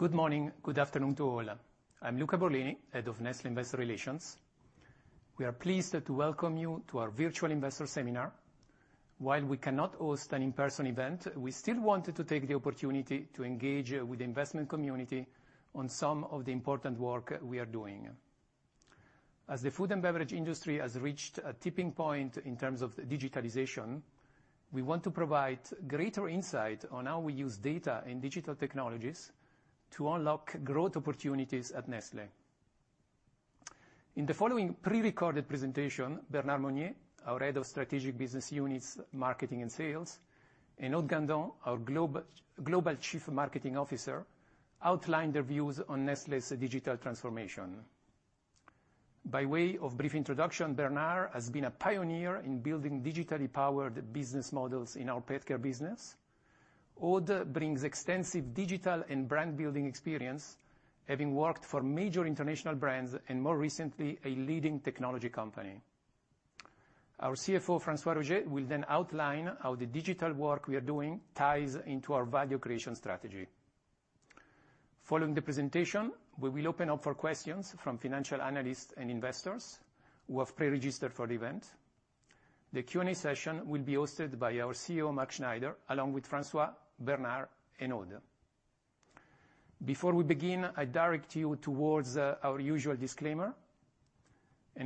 Good morning, good afternoon to all. I'm Luca Borlini, Head of Nestlé Investor Relations. We are pleased to welcome you to our virtual investor seminar. While we cannot host an in-person event, we still wanted to take the opportunity to engage with the investment community on some of the important work we are doing. As the food and beverage industry has reached a tipping point in terms of digitalization, we want to provide greater insight on how we use data and digital technologies to unlock growth opportunities at Nestlé. In the following pre-recorded presentation, Bernard Meunier, our Head of Strategic Business Units, Marketing and Sales, and Aude Gandon, our Global Chief Marketing Officer, outline their views on Nestlé's digital transformation. By way of brief introduction, Bernard has been a pioneer in building digitally powered business models in our pet care business. Aude brings extensive digital and brand-building experience, having worked for major international brands and more recently, a leading technology company. Our CFO, François-Xavier Roger, will then outline how the digital work we are doing ties into our value creation strategy. Following the presentation, we will open up for questions from financial analysts and investors who have pre-registered for the event. The Q&A session will be hosted by our CEO, Mark Schneider, along with François, Bernard, and Aude. Before we begin, I direct you towards our usual disclaimer.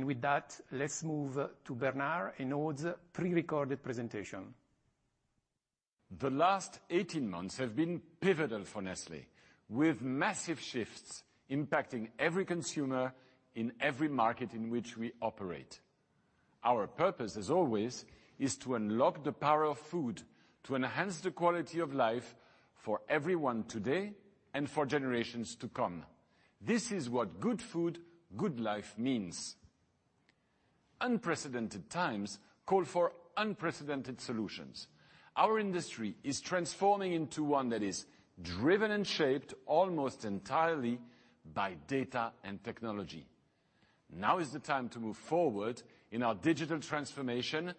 With that, let's move to Bernard and Aude's pre-recorded presentation. The last 18 months have been pivotal for Nestlé, with massive shifts impacting every consumer in every market in which we operate. Our purpose, as always, is to unlock the power of food to enhance the quality of life for everyone today and for generations to come. This is what good food, good life means. Unprecedented times call for unprecedented solutions. Our industry is transforming into one that is driven and shaped almost entirely by data and technology. Now is the time to move forward in our digital transformation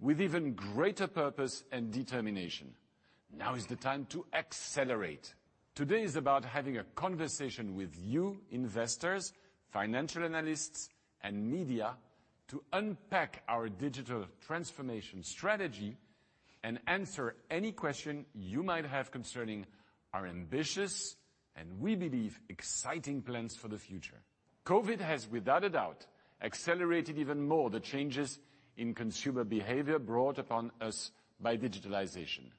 with even greater purpose and determination. Now is the time to accelerate. Today is about having a conversation with you investors, financial analysts, and media to unpack our digital transformation strategy and answer any question you might have concerning our ambitious, and we believe, exciting plans for the future. COVID has, without a doubt, accelerated even more the changes in consumer behavior brought upon us by digitalization.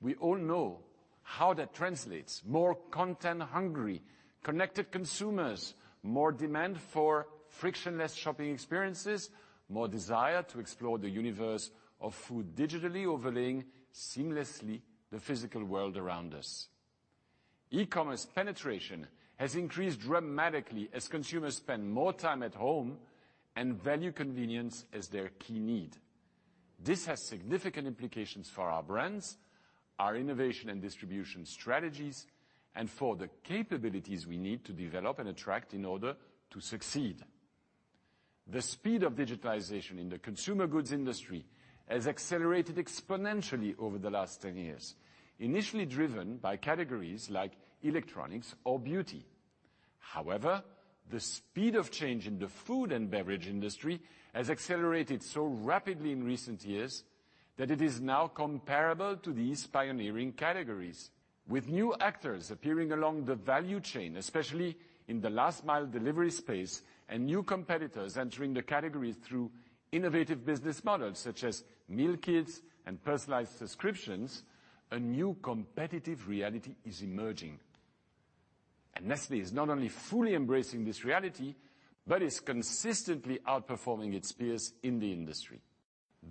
We all know how that translates. More content hungry, connected consumers, more demand for frictionless shopping experiences, more desire to explore the universe of food digitally overlaying seamlessly the physical world around us. E-commerce penetration has increased dramatically as consumers spend more time at home and value convenience as their key need. This has significant implications for our brands, our innovation and distribution strategies, and for the capabilities we need to develop and attract in order to succeed. The speed of digitalization in the consumer goods industry has accelerated exponentially over the last 10 years, initially driven by categories like electronics or beauty. However, the speed of change in the food and beverage industry has accelerated so rapidly in recent years that it is now comparable to these pioneering categories. With new actors appearing along the value chain, especially in the last mile delivery space, and new competitors entering the categories through innovative business models such as meal kits and personalized subscriptions, a new competitive reality is emerging. Nestlé is not only fully embracing this reality, but is consistently outperforming its peers in the industry.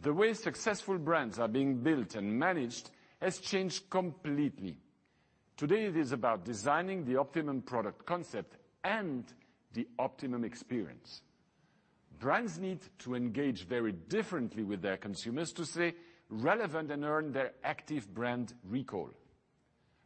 The way successful brands are being built and managed has changed completely. Today, it is about designing the optimum product concept and the optimum experience. Brands need to engage very differently with their consumers to stay relevant and earn their active brand recall.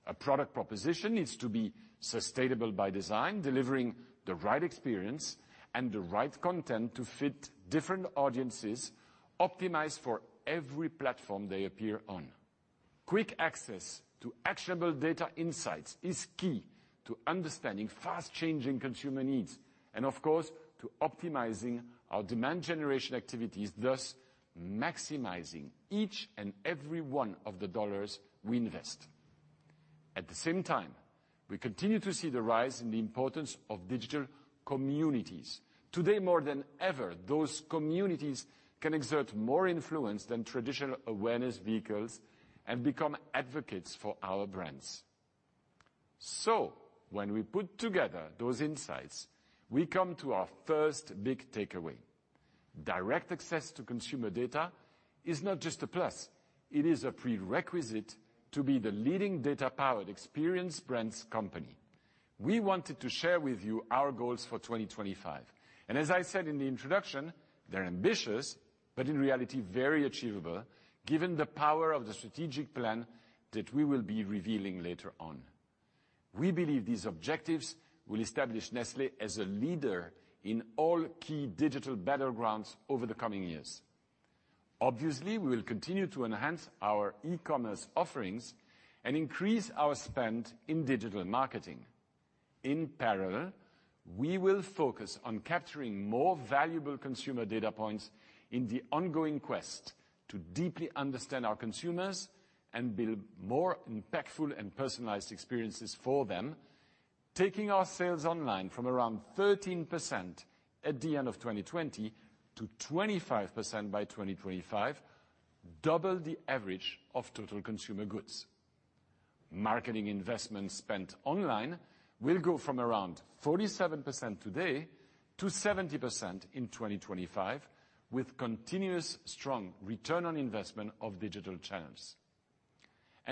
A product proposition needs to be sustainable by design, delivering the right experience and the right content to fit different audiences, optimized for every platform they appear on. Quick access to actionable data insights is key to understanding fast-changing consumer needs and, of course, to optimizing our demand generation activities, thus maximizing each and every one of the dollars we invest. At the same time, we continue to see the rise in the importance of digital communities. Today more than ever, those communities can exert more influence than traditional awareness vehicles and become advocates for our brands. When we put together those insights, we come to our first big takeaway. Direct access to consumer data is not just a plus. It is a prerequisite to be the leading data-powered experience brands company. We wanted to share with you our goals for 2025, and as I said in the introduction, they're ambitious, but in reality, very achievable given the power of the strategic plan that we will be revealing later on. We believe these objectives will establish Nestlé as a leader in all key digital battlegrounds over the coming years. Obviously, we will continue to enhance our e-commerce offerings and increase our spend in digital marketing. In parallel, we will focus on capturing more valuable consumer data points in the ongoing quest to deeply understand our consumers and build more impactful and personalized experiences for them, taking our sales online from around 13% at the end of 2020 to 25% by 2025, double the average of total consumer goods. Marketing investment spent online will go from around 47% today to 70% in 2025, with continuous strong return on investment of digital channels.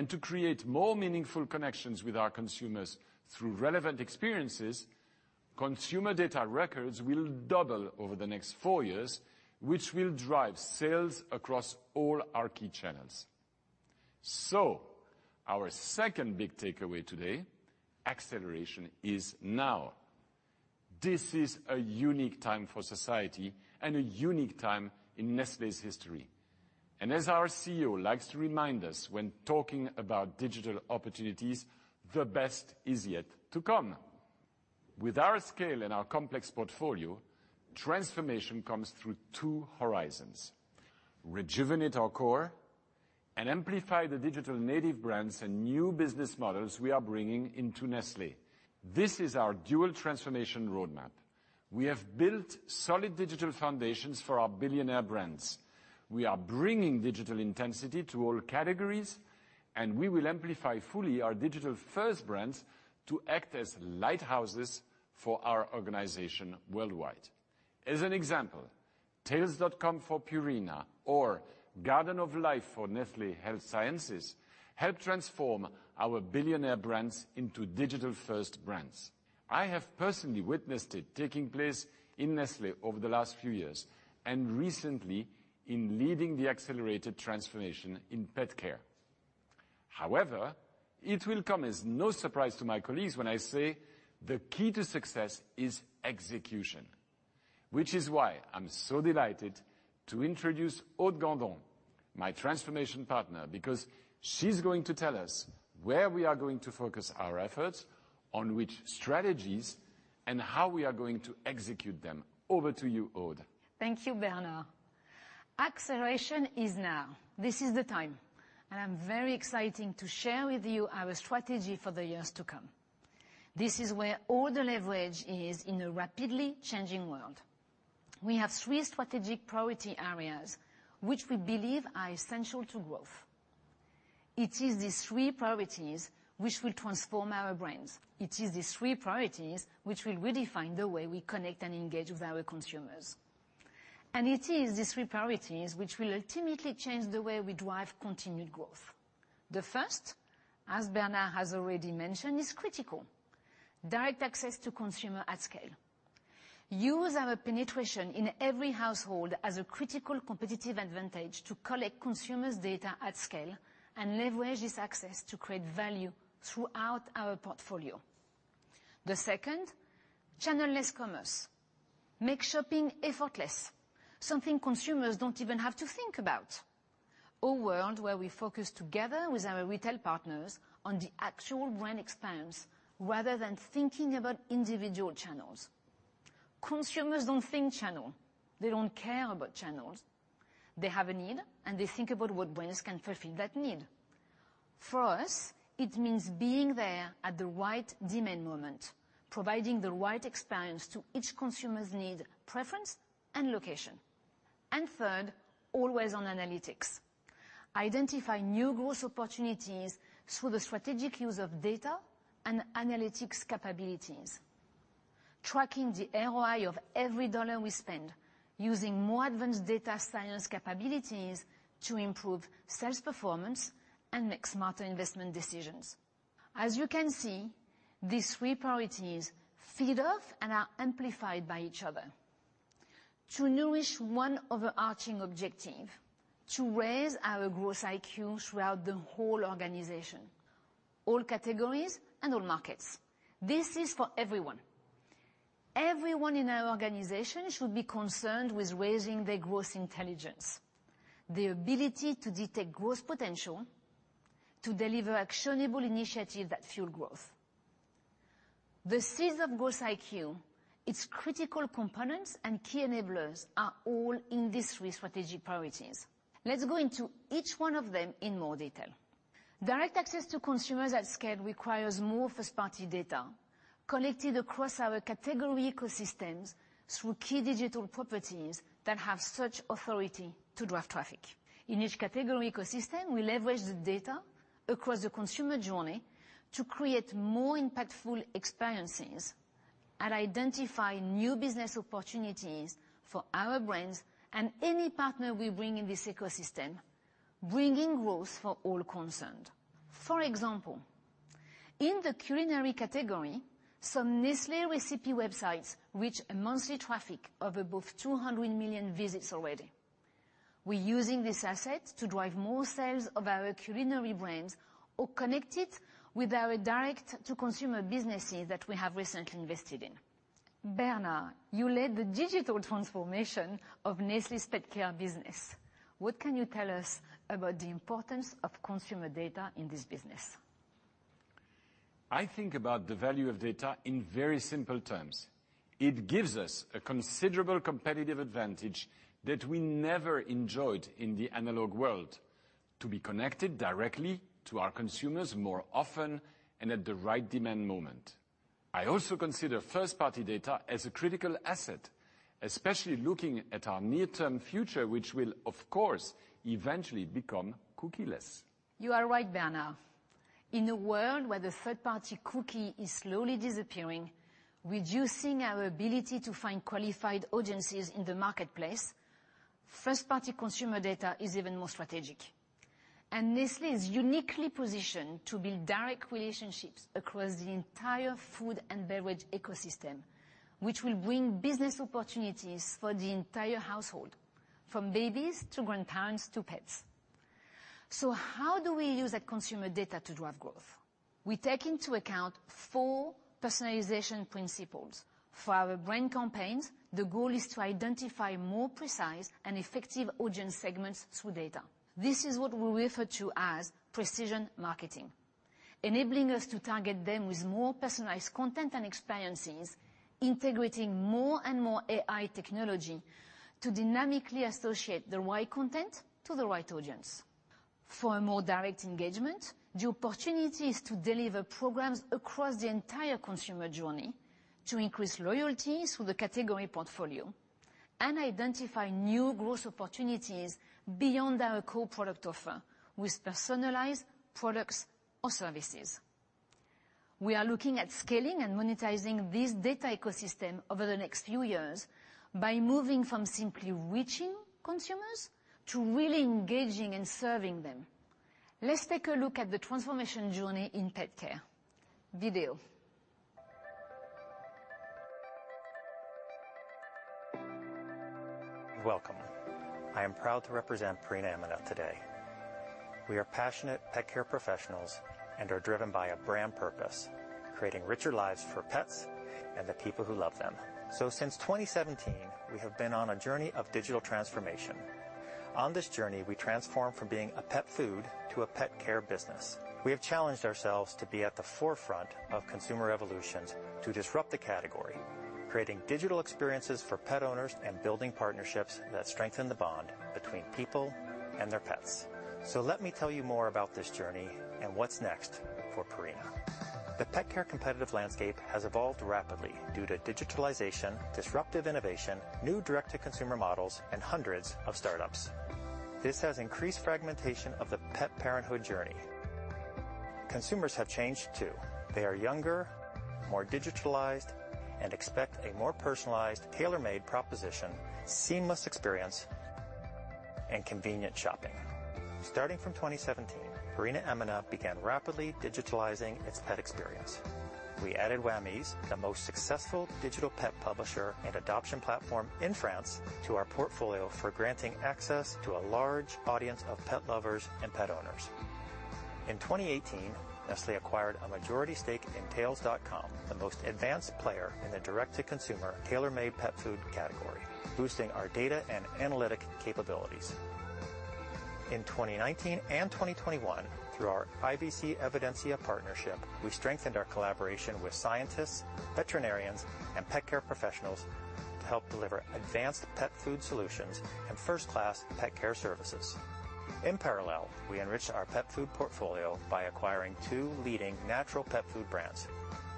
To create more meaningful connections with our consumers through relevant experiences, consumer data records will double over the next four years, which will drive sales across all our key channels. Our second big takeaway today, acceleration is now. This is a unique time for society and a unique time in Nestlé's history. As our CEO likes to remind us when talking about digital opportunities, the best is yet to come. With our scale and our complex portfolio, transformation comes through two horizons, rejuvenate our core and amplify the digital native brands and new business models we are bringing into Nestlé. This is our dual transformation roadmap. We have built solid digital foundations for our billionaire brands. We are bringing digital intensity to all categories, and we will amplify fully our digital first brands to act as lighthouses for our organization worldwide. As an example, tails.com for Purina or Garden of Life for Nestlé Health Science help transform our billionaire brands into digital first brands. I have personally witnessed it taking place in Nestlé over the last few years and recently in leading the accelerated transformation in pet care. However, it will come as no surprise to my colleagues when I say the key to success is execution, which is why I'm so delighted to introduce Aude Gandon, my transformation partner, because she's going to tell us where we are going to focus our efforts on which strategies and how we are going to execute them. Over to you, Aude. Thank you, Bernard. Acceleration is now. This is the time, and I'm very excited to share with you our strategy for the years to come. This is where all the leverage is in a rapidly changing world. We have three strategic priority areas which we believe are essential to growth. It is these three priorities which will transform our brands. It is these three priorities which will redefine the way we connect and engage with our consumers. It is these three priorities which will ultimately change the way we drive continued growth. The first, as Bernard has already mentioned, is critical. Direct access to consumer at scale. Use our penetration in every household as a critical competitive advantage to collect consumers' data at scale and leverage this access to create value throughout our portfolio. The second, channel-less commerce. Make shopping effortless, something consumers don't even have to think about. A world where we focus together with our retail partners on the actual brand experience rather than thinking about individual channels. Consumers don't think channel. They don't care about channels. They have a need, and they think about what brands can fulfill that need. For us, it means being there at the right demand moment, providing the right experience to each consumer's need, preference, and location. Third, always-on analytics. Identify new growth opportunities through the strategic use of data and analytics capabilities. Tracking the ROI of every dollar we spend using more advanced data science capabilities to improve sales performance and make smarter investment decisions. As you can see, these three priorities feed off and are amplified by each other, to nourish one overarching objective, to raise our Growth IQ throughout the whole organization, all categories and all markets. This is for everyone. Everyone in our organization should be concerned with raising their growth intelligence, their ability to detect growth potential, to deliver actionable initiative that fuel growth. The seeds of Growth IQ, its critical components and key enablers are all in these three strategic priorities. Let's go into each one of them in more detail. Direct access to consumers at scale requires more first-party data collected across our category ecosystems through key digital properties that have such authority to drive traffic. In each category ecosystem, we leverage the data across the consumer journey to create more impactful experiences and identify new business opportunities for our brands and any partner we bring in this ecosystem, bringing growth for all concerned. For example, in the culinary category, some Nestlé recipe websites reach a monthly traffic of above 200 million visits already. We're using this asset to drive more sales of our culinary brands or connect it with our direct-to-consumer businesses that we have recently invested in. Bernard, you led the digital transformation of Nestlé's pet care business. What can you tell us about the importance of consumer data in this business? I think about the value of data in very simple terms. It gives us a considerable competitive advantage that we never enjoyed in the analog world to be connected directly to our consumers more often and at the right demand moment. I also consider first-party data as a critical asset, especially looking at our near-term future, which will, of course, eventually become cookieless. You are right, Bernard. In a world where the third-party cookie is slowly disappearing, reducing our ability to find qualified audiences in the marketplace, first-party consumer data is even more strategic. Nestlé is uniquely positioned to build direct relationships across the entire food and beverage ecosystem, which will bring business opportunities for the entire household, from babies to grandparents to pets. How do we use that consumer data to drive growth? We take into account four personalization principles. For our brand campaigns, the goal is to identify more precise and effective audience segments through data. This is what we refer to as precision marketing, enabling us to target them with more personalized content and experiences, integrating more and more AI technology to dynamically associate the right content to the right audience. For a more direct engagement, the opportunity is to deliver programs across the entire consumer journey to increase loyalty with the category portfolio and identify new growth opportunities beyond our core product offer with personalized products or services. We are looking at scaling and monetizing this data ecosystem over the next few years by moving from simply reaching consumers to really engaging and serving them. Let's take a look at the transformation journey in pet care. Video. Welcome. I am proud to represent Purina EMENA today. We are passionate pet care professionals and are driven by a brand purpose, creating richer lives for pets and the people who love them. Since 2017, we have been on a journey of digital transformation. On this journey, we transform from being a pet food to a pet care business. We have challenged ourselves to be at the forefront of consumer evolutions to disrupt the category, creating digital experiences for pet owners and building partnerships that strengthen the bond between people and their pets. Let me tell you more about this journey and what's next for Purina. The pet care competitive landscape has evolved rapidly due to digitalization, disruptive innovation, new direct-to-consumer models, and hundreds of startups. This has increased fragmentation of the pet parenthood journey. Consumers have changed, too. They are younger, more digitalized, and expect a more personalized, tailor-made proposition, seamless experience, and convenient shopping. Starting from 2017, Purina EMENA began rapidly digitalizing its pet experience. We added Wamiz, the most successful digital pet publisher and adoption platform in France to our portfolio for granting access to a large audience of pet lovers and pet owners. In 2018, Nestlé acquired a majority stake in tails.com, the most advanced player in the direct-to-consumer tailor-made pet food category, boosting our data and analytic capabilities. In 2019 and 2021, through our IVC Evidensia partnership, we strengthened our collaboration with scientists, veterinarians, and pet care professionals to help deliver advanced pet food solutions and first-class pet care services. In parallel, we enriched our pet food portfolio by acquiring two leading natural pet food brands,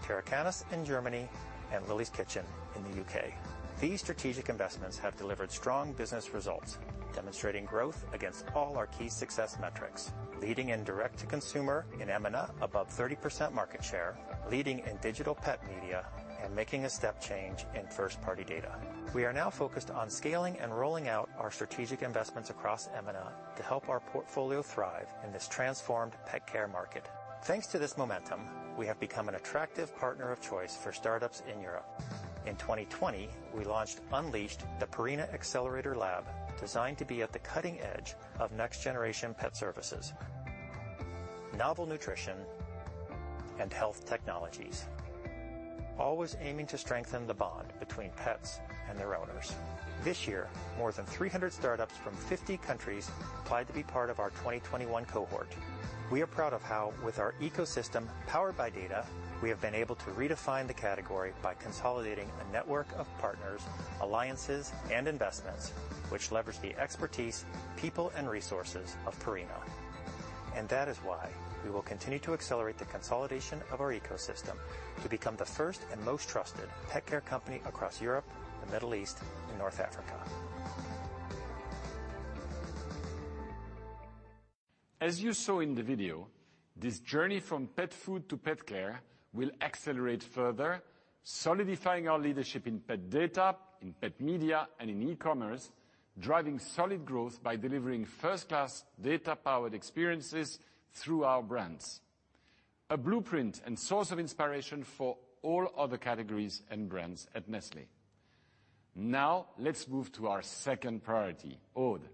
Terra Canis in Germany and Lily's Kitchen in the U.K. These strategic investments have delivered strong business results, demonstrating growth against all our key success metrics, leading in direct-to-consumer in EMENA above 30% market share, leading in digital pet media, and making a step change in first-party data. We are now focused on scaling and rolling out our strategic investments across EMENA to help our portfolio thrive in this transformed pet care market. Thanks to this momentum, we have become an attractive partner of choice for startups in Europe. In 2020, we launched Unleashed, the Purina Accelerator Lab, designed to be at the cutting edge of next-generation pet services, novel nutrition, and health technologies, always aiming to strengthen the bond between pets and their owners. This year, more than 300 startups from 50 countries applied to be part of our 2021 cohort. We are proud of how, with our ecosystem powered by data, we have been able to redefine the category by consolidating a network of partners, alliances, and investments which leverage the expertise, people, and resources of Purina. That is why we will continue to accelerate the consolidation of our ecosystem to become the first and most trusted pet care company across Europe, the Middle East, and North Africa. As you saw in the video, this journey from pet food to pet care will accelerate further, solidifying our leadership in pet data, in pet media, and in e-commerce, driving solid growth by delivering first-class data-powered experiences through our brands, a blueprint and source of inspiration for all other categories and brands at Nestlé. Now let's move to our second priority, Aude.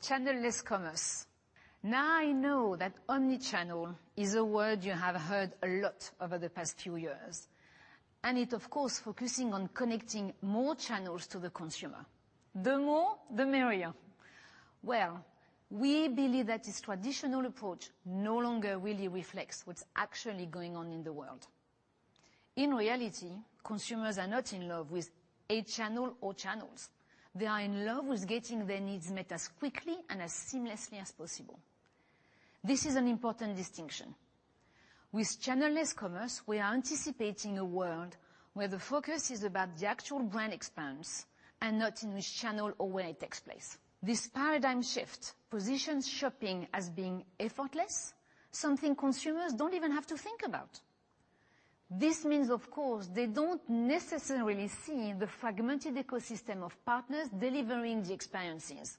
Channel-less commerce. Now, I know that omni-channel is a word you have heard a lot over the past few years, and it's of course focusing on connecting more channels to the consumer. The more, the merrier. Well, we believe that this traditional approach no longer really reflects what's actually going on in the world. In reality, consumers are not in love with a channel or channels. They are in love with getting their needs met as quickly and as seamlessly as possible. This is an important distinction. With channel-less commerce, we are anticipating a world where the focus is about the actual brand experience and not in which channel or where it takes place. This paradigm shift positions shopping as being effortless, something consumers don't even have to think about. This means, of course, they don't necessarily see the fragmented ecosystem of partners delivering the experiences.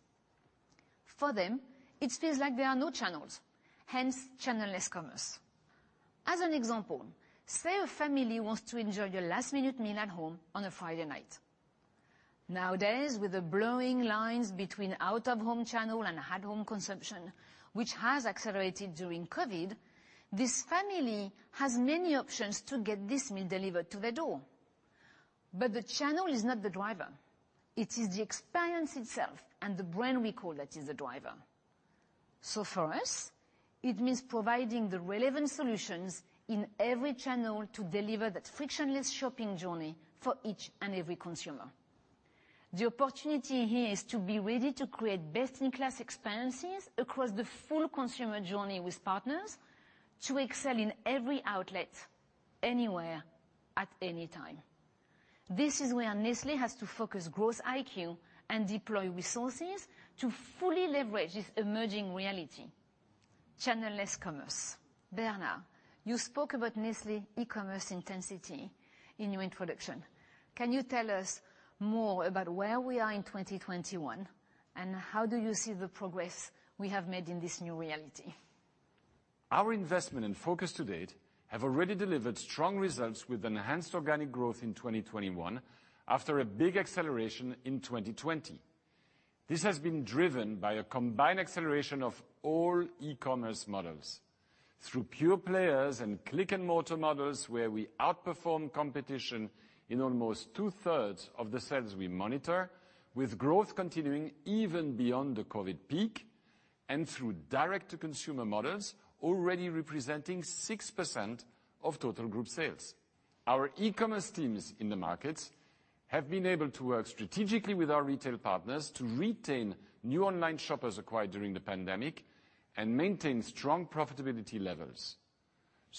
For them, it feels like there are no channels, hence channel-less commerce. As an example, say a family wants to enjoy a last-minute meal at home on a Friday night. Nowadays, with the blurring lines between out-of-home channel and at-home consumption, which has accelerated during COVID, this family has many options to get this meal delivered to their door, but the channel is not the driver. It is the experience itself and the brand recall that is the driver. For us, it means providing the relevant solutions in every channel to deliver that frictionless shopping journey for each and every consumer. The opportunity here is to be ready to create best-in-class experiences across the full consumer journey with partners to excel in every outlet, anywhere, at any time. This is where Nestlé has to focus Growth IQ and deploy resources to fully leverage this emerging reality. Channel-less commerce. Bernard, you spoke about Nestlé e-commerce intensity in your introduction. Can you tell us more about where we are in 2021, and how do you see the progress we have made in this new reality? Our investment and focus to date have already delivered strong results with enhanced organic growth in 2021 after a big acceleration in 2020. This has been driven by a combined acceleration of all eCommerce models through pure players and click and mortar models where we outperform competition in almost 2/3 of the sales we monitor with growth continuing even beyond the COVID peak and through direct to consumer models already representing 6% of total group sales. Our eCommerce teams in the markets have been able to work strategically with our retail partners to retain new online shoppers acquired during the pandemic and maintain strong profitability levels.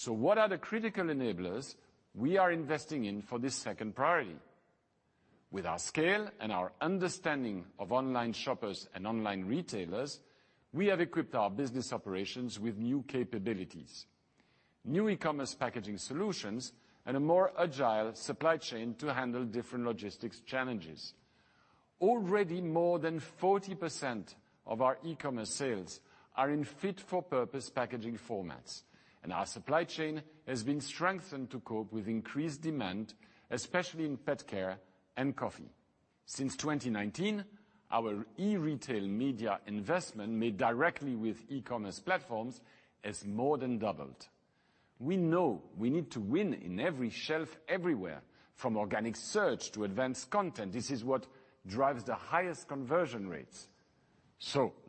What are the critical enablers we are investing in for this second priority? With our scale and our understanding of online shoppers and online retailers, we have equipped our business operations with new capabilities, new e-commerce packaging solutions, and a more agile supply chain to handle different logistics challenges. Already more than 40% of our e-commerce sales are in fit for purpose packaging formats, and our supply chain has been strengthened to cope with increased demand, especially in pet care and coffee. Since 2019, our e-retail media investment made directly with e-commerce platforms has more than doubled. We know we need to win in every shelf everywhere from organic search to advanced content. This is what drives the highest conversion rates.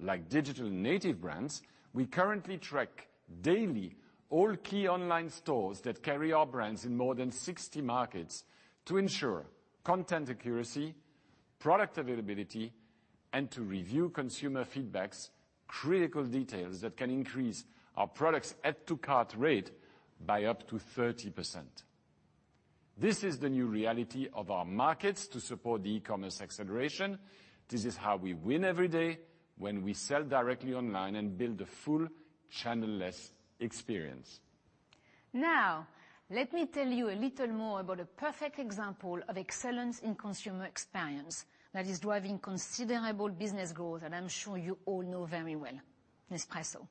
Like digital native brands, we currently track daily all key online stores that carry our brands in more than 60 markets to ensure content accuracy, product availability, and to review consumer feedbacks, critical details that can increase our products' add to cart rate by up to 30%. This is the new reality of our markets to support the eCommerce acceleration. This is how we win every day when we sell directly online and build a full channel-less experience. Now, let me tell you a little more about a perfect example of excellence in consumer experience that is driving considerable business growth, and I'm sure you all know very well, Nespresso.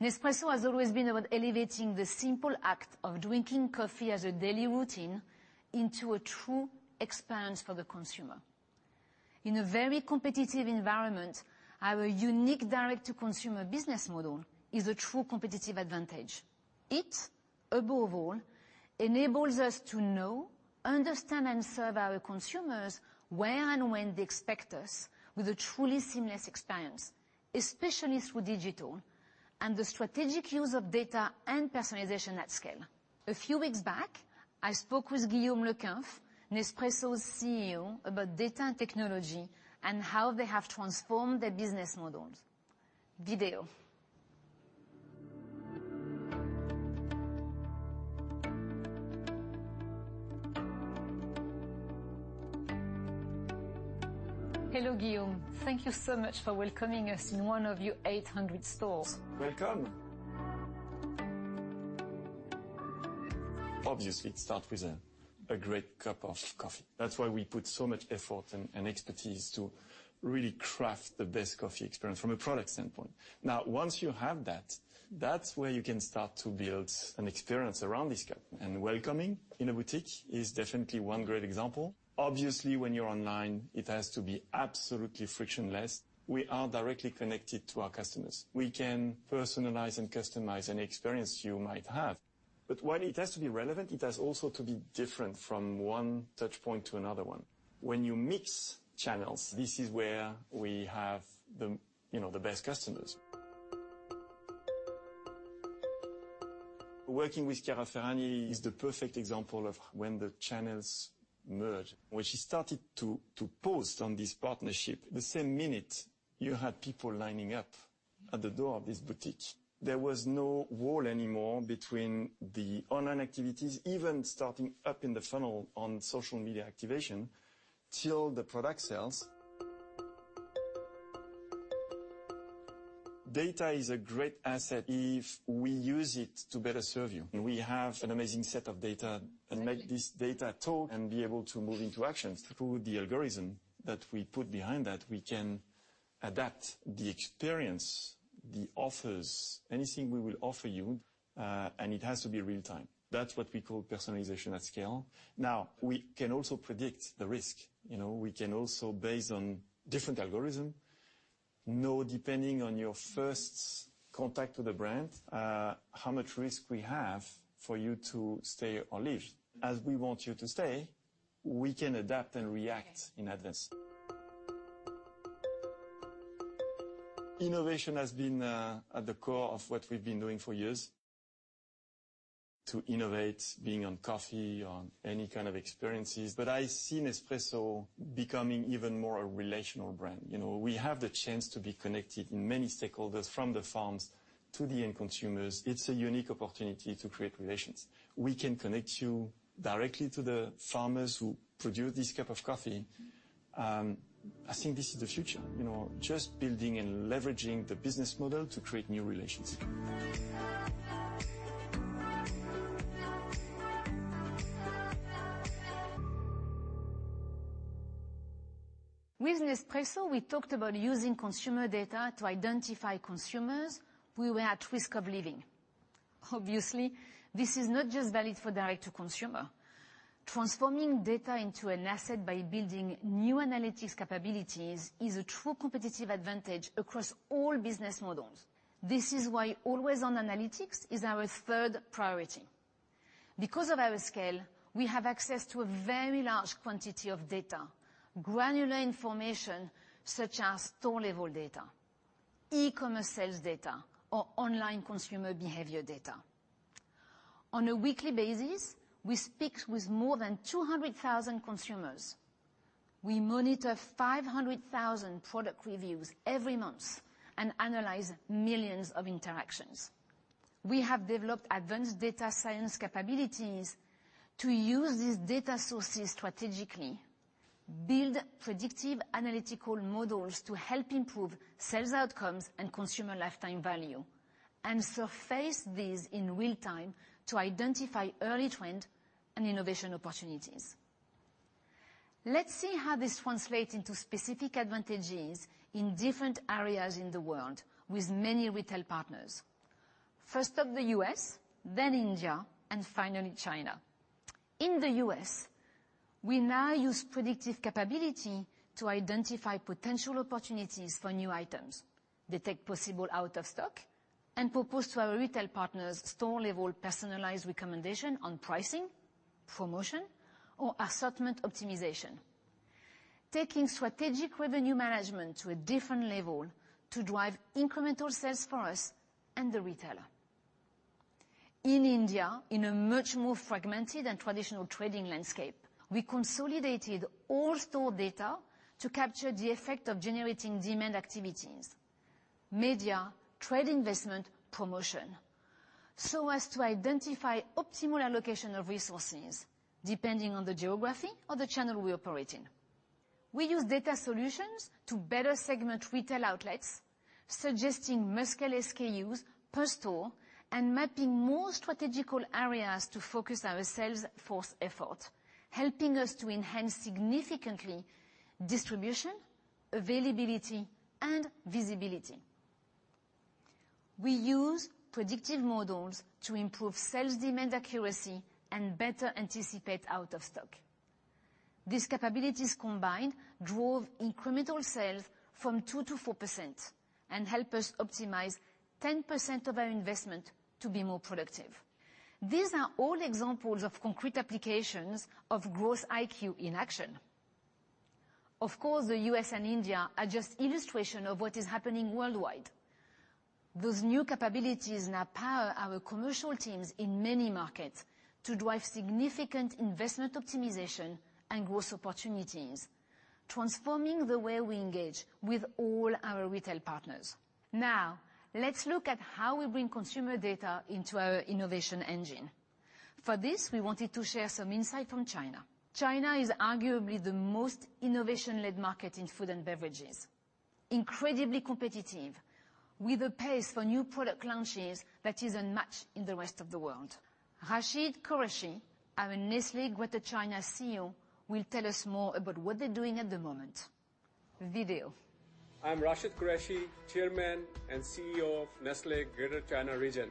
Nespresso has always been about elevating the simple act of drinking coffee as a daily routine into a true experience for the consumer. In a very competitive environment, our unique direct to consumer business model is a true competitive advantage. It, above all, enables us to know, understand, and serve our consumers where and when they expect us with a truly seamless experience, especially through digital and the strategic use of data and personalization at scale. A few weeks back, I spoke with Guillaume Le Cunff, Nespresso's CEO, about data and technology and how they have transformed their business models. Video. Hello, Guillaume. Thank you so much for welcoming us in one of your 800 stores. Welcome. Obviously, it starts with a great cup of coffee. That's why we put so much effort and expertise to really craft the best coffee experience from a product standpoint. Now, once you have that's where you can start to build an experience around this cup. Welcoming in a boutique is definitely one great example. Obviously, when you're online, it has to be absolutely frictionless. We are directly connected to our customers. We can personalize and customize an experience you might have. While it has to be relevant, it has also to be different from one touchpoint to another one. When you mix channels, this is where we have the, you know, the best customers. Working with Chiara Ferragni is the perfect example of when the channels merge. When she started to post on this partnership, the same minute you had people lining up at the door of this boutique. There was no wall anymore between the online activities, even starting up in the funnel on social media activation till the product sells. Data is a great asset if we use it to better serve you. We have an amazing set of data, and make this data talk and be able to move into actions through the algorithm that we put behind that, we can adapt the experience, the offers, anything we will offer you, and it has to be real time. That's what we call personalization at scale. Now, we can also predict the risk. You know, we can also, based on different algorithm, know, depending on your first contact to the brand, how much risk we have for you to stay or leave. As we want you to stay, we can adapt and react in advance. Innovation has been at the core of what we've been doing for years. To innovate, being on coffee, on any kind of experiences, but I see Nespresso becoming even more a relational brand. You know, we have the chance to be connected with many stakeholders from the farms to the end consumers. It's a unique opportunity to create relations. We can connect you directly to the farmers who produce this cup of coffee. I think this is the future, you know, just building and leveraging the business model to create new relationships. With Nespresso, we talked about using consumer data to identify consumers who were at risk of leaving. Obviously, this is not just valid for direct to consumer. Transforming data into an asset by building new analytics capabilities is a true competitive advantage across all business models. This is why always-on analytics is our third priority. Because of our scale, we have access to a very large quantity of data, granular information such as store level data, e-commerce sales data, or online consumer behavior data. On a weekly basis, we speak with more than 200,000 consumers. We monitor 500,000 product reviews every month and analyze millions of interactions. We have developed advanced data science capabilities to use these data sources strategically, build predictive analytical models to help improve sales outcomes and consumer lifetime value, and surface these in real time to identify early trend and innovation opportunities. Let's see how this translates into specific advantages in different areas in the world with many retail partners. First up the U.S., then India, and finally China. In the U.S., we now use predictive capability to identify potential opportunities for new items, detect possible out of stock, and propose to our retail partners store level personalized recommendation on pricing, promotion, or assortment optimization, taking strategic revenue management to a different level to drive incremental sales for us and the retailer. In India, in a much more fragmented and traditional trading landscape, we consolidated all store data to capture the effect of generating demand activities, media, trade investment, promotion, so as to identify optimal allocation of resources, depending on the geography or the channel we operate in. We use data solutions to better segment retail outlets, suggesting must-carry SKUs per store and mapping more strategic areas to focus our sales force effort, helping us to enhance significantly distribution, availability, and visibility. We use predictive models to improve sales demand accuracy and better anticipate out of stock. These capabilities combined drove incremental sales from 2%-4% and help us optimize 10% of our investment to be more productive. These are all examples of concrete applications of Growth IQ in action. Of course, the U.S. and India are just illustration of what is happening worldwide. Those new capabilities now power our commercial teams in many markets to drive significant investment optimization and growth opportunities, transforming the way we engage with all our retail partners. Now, let's look at how we bring consumer data into our innovation engine. For this, we wanted to share some insight from China. China is arguably the most innovation-led market in food and beverages. Incredibly competitive with a pace for new product launches that is unmatched in the rest of the world. Rashid Qureshi, our Nestlé Greater China CEO, will tell us more about what they're doing at the moment. I'm Rashid Qureshi, Chairman and CEO of Nestlé Greater China Region.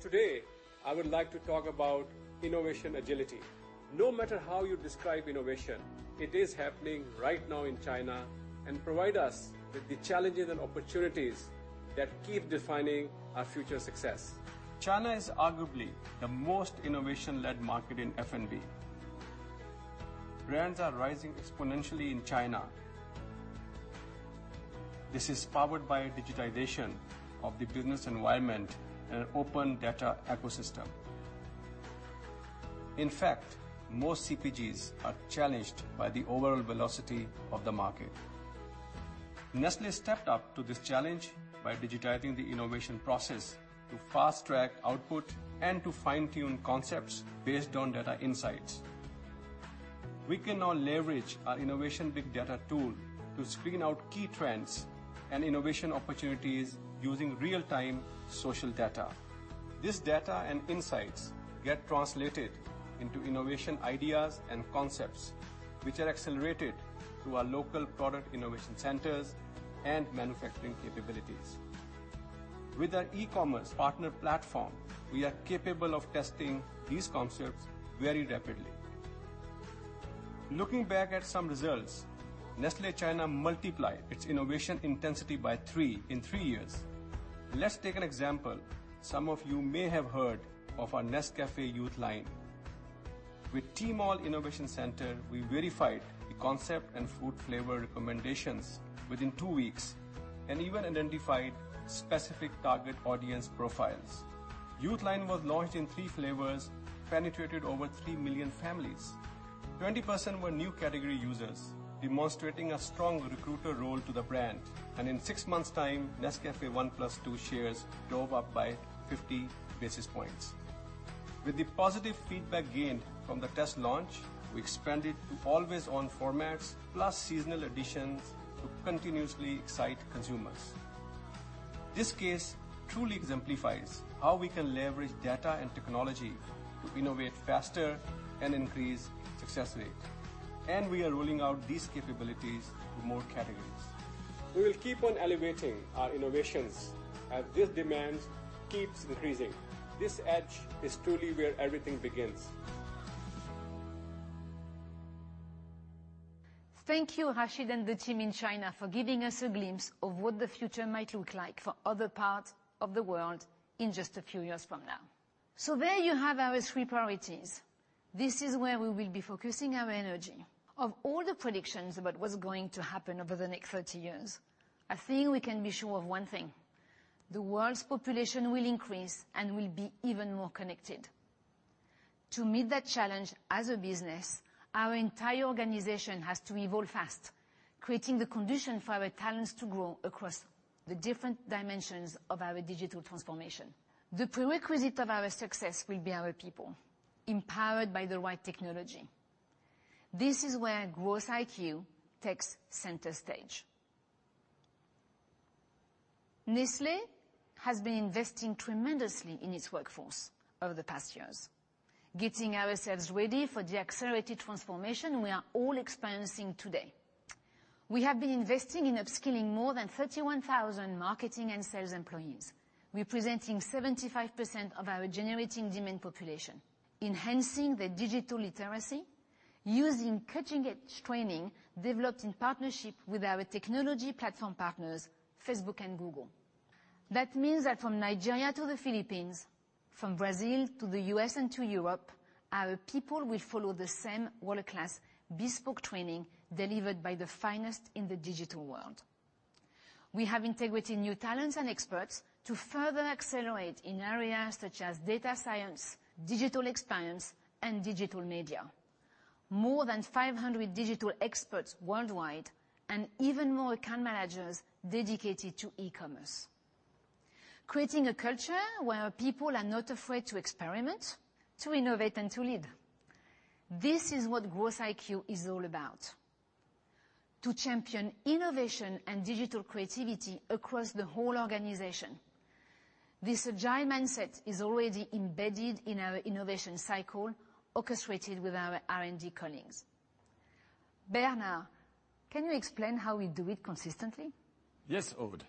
Today, I would like to talk about innovation agility. No matter how you describe innovation, it is happening right now in China and provide us with the challenges and opportunities that keep defining our future success. China is arguably the most innovation-led market in F&B. Brands are rising exponentially in China. This is powered by digitization of the business environment and an open data ecosystem. In fact, most CPGs are challenged by the overall velocity of the market. Nestlé stepped up to this challenge by digitizing the innovation process to fast-track output and to fine-tune concepts based on data insights. We can now leverage our innovation big data tool to screen out key trends and innovation opportunities using real-time social data. This data and insights get translated into innovation ideas and concepts, which are accelerated through our local product innovation centers and manufacturing capabilities. With our e-commerce partner platform, we are capable of testing these concepts very rapidly. Looking back at some results, Nestlé China multiplied its innovation intensity by three in three years. Let's take an example. Some of you may have heard of our Nescafé Youth Line. With Tmall Innovation Center, we verified the concept and food flavor recommendations within two weeks, and even identified specific target audience profiles. Youth Line was launched in three flavors, penetrated over 3 million families. 20% were new category users, demonstrating a strong recruiter role to the brand. In six months' time, Nescafé 1+2 shares drove up by 50 basis points. With the positive feedback gained from the test launch, we expanded to always-on formats plus seasonal additions to continuously excite consumers. This case truly exemplifies how we can leverage data and technology to innovate faster and increase success rate. We are rolling out these capabilities to more categories. We will keep on elevating our innovations as this demand keeps increasing. This edge is truly where everything begins. Thank you, Rashid and the team in China for giving us a glimpse of what the future might look like for other parts of the world in just a few years from now. There you have our three priorities. This is where we will be focusing our energy. Of all the predictions about what's going to happen over the next 30 years, one thing we can be sure of, the world's population will increase and will be even more connected. To meet that challenge as a business, our entire organization has to evolve fast, creating the condition for our talents to grow across the different dimensions of our digital transformation. The prerequisite of our success will be our people, empowered by the right technology. This is where Growth IQ takes center stage. Nestlé has been investing tremendously in its workforce over the past years, getting ourselves ready for the accelerated transformation we are all experiencing today. We have been investing in upskilling more than 31,000 marketing and sales employees, representing 75% of our generating demand population, enhancing their digital literacy, using cutting-edge training developed in partnership with our technology platform partners, Facebook and Google. That means that from Nigeria to the Philippines, from Brazil to the U.S. and to Europe, our people will follow the same world-class bespoke training delivered by the finest in the digital world. We have integrated new talents and experts to further accelerate in areas such as data science, digital experience, and digital media, more than 500 digital experts worldwide and even more account managers dedicated to e-commerce, creating a culture where people are not afraid to experiment, to innovate, and to lead. This is what Growth IQ is all about, to champion innovation and digital creativity across the whole organization. This agile mindset is already embedded in our innovation cycle, orchestrated with our R&D colleagues. Bernard, can you explain how we do it consistently? Yes, Aude.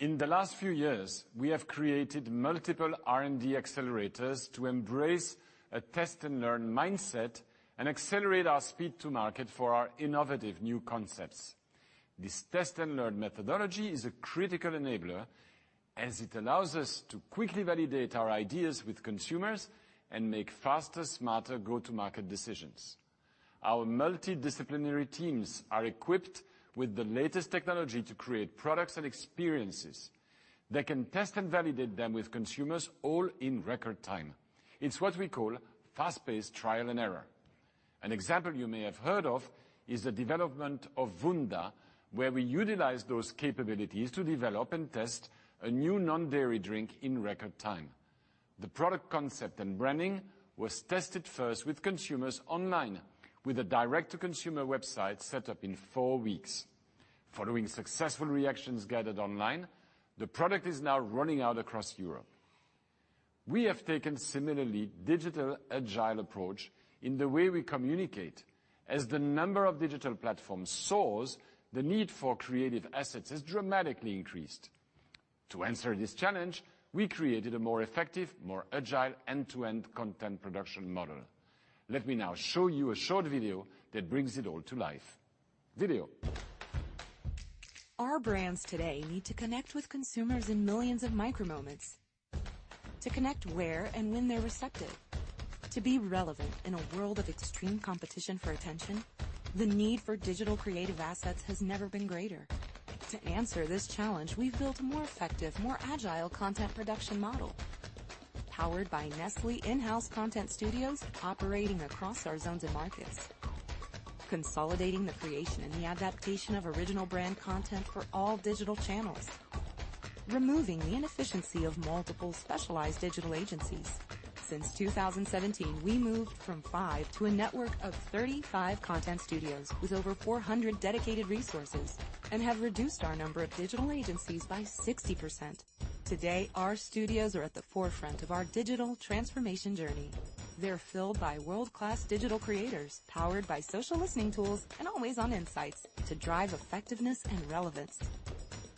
In the last few years, we have created multiple R&D accelerators to embrace a test and learn mindset and accelerate our speed to market for our innovative new concepts. This test and learn methodology is a critical enabler as it allows us to quickly validate our ideas with consumers and make faster, smarter go-to-market decisions. Our multidisciplinary teams are equipped with the latest technology to create products and experiences. They can test and validate them with consumers all in record time. It's what we call fast-paced trial and error. An example you may have heard of is the development of Wunda, where we utilized those capabilities to develop and test a new non-dairy drink in record time. The product concept and branding was tested first with consumers online with a direct-to-consumer website set up in four weeks. Following successful reactions gathered online, the product is now running out across Europe. We have taken a similar digital agile approach in the way we communicate. As the number of digital platforms soars, the need for creative assets has dramatically increased. To answer this challenge, we created a more effective, more agile end-to-end content production model. Let me now show you a short video that brings it all to life. Video. Our brands today need to connect with consumers in millions of micro moments, to connect where and when they're receptive. To be relevant in a world of extreme competition for attention, the need for digital creative assets has never been greater. To answer this challenge, we've built a more effective, more agile content production model, powered by Nestlé in-house content studios operating across our Zones and markets, consolidating the creation and the adaptation of original brand content for all digital channels, removing the inefficiency of multiple specialized digital agencies. Since 2017, we moved from five to a network of 35 content studios with over 400 dedicated resources and have reduced our number of digital agencies by 60%. Today, our studios are at the forefront of our digital transformation journey. They're filled by world-class digital creators, powered by social listening tools and always-on insights to drive effectiveness and relevance,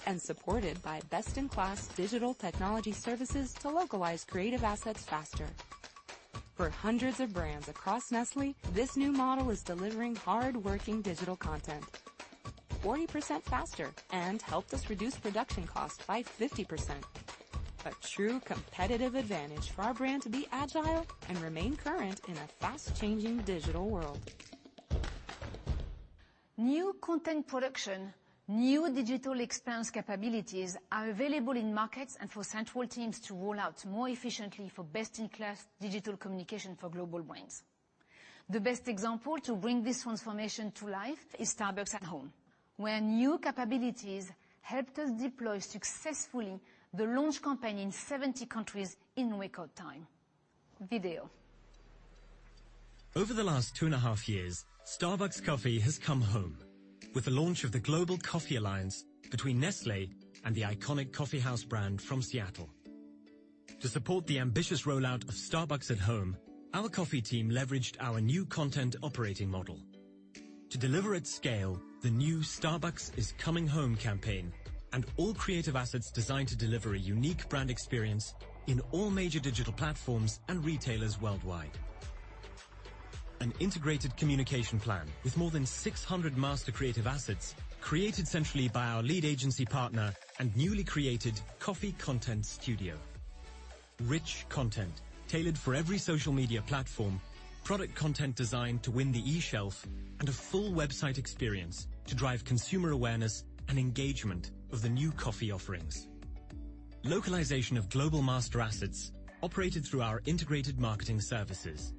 and supported by best-in-class digital technology services to localize creative assets faster. For hundreds of brands across Nestlé, this new model is delivering hardworking digital content 40% faster and helped us reduce production costs by 50%. A true competitive advantage for our brand to be agile and remain current in a fast-changing digital world. New content production, new digital experience capabilities are available in markets and for central teams to roll out more efficiently for best-in-class digital communication for global brands. The best example to bring this transformation to life is Starbucks at Home, where new capabilities helped us deploy successfully the launch campaign in 70 countries in record time. Video. Over the last two and a half years, Starbucks coffee has come home with the launch of the global coffee alliance between Nestlé and the iconic coffeehouse brand from Seattle. To support the ambitious rollout of Starbucks at Home, our coffee team leveraged our new content operating model. To deliver at scale, the new Starbucks is Coming Home campaign and all creative assets designed to deliver a unique brand experience in all major digital platforms and retailers worldwide. An integrated communication plan with more than 600 master creative assets created centrally by our lead agency partner and newly created coffee content studio. Rich content tailored for every social media platform, product content design to win the e-shelf, and a full website experience to drive consumer awareness and engagement of the new coffee offerings. Localization of global master assets operated through our integrated marketing services.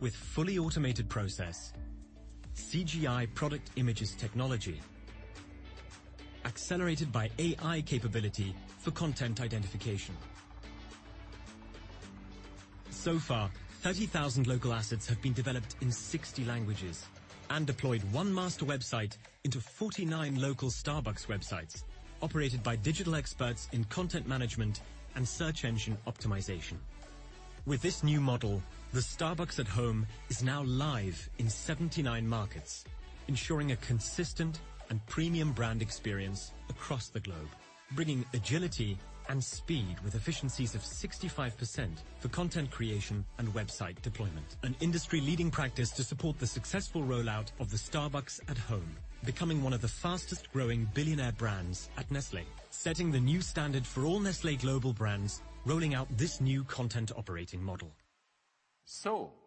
With a fully automated process, CGI product images technology accelerated by AI capability for content identification, 30,000 local assets have been developed in 60 languages and deployed one master website into 49 local Starbucks websites operated by digital experts in content management and search engine optimization. With this new model, the Starbucks at Home is now live in 79 markets, ensuring a consistent and premium brand experience across the globe, bringing agility and speed with efficiencies of 65% for content creation and website deployment. This is an industry-leading practice to support the successful rollout of the Starbucks at Home, becoming one of the fastest-growing billion-dollar brands at Nestlé, setting the new standard for all Nestlé global brands rolling out this new content operating model.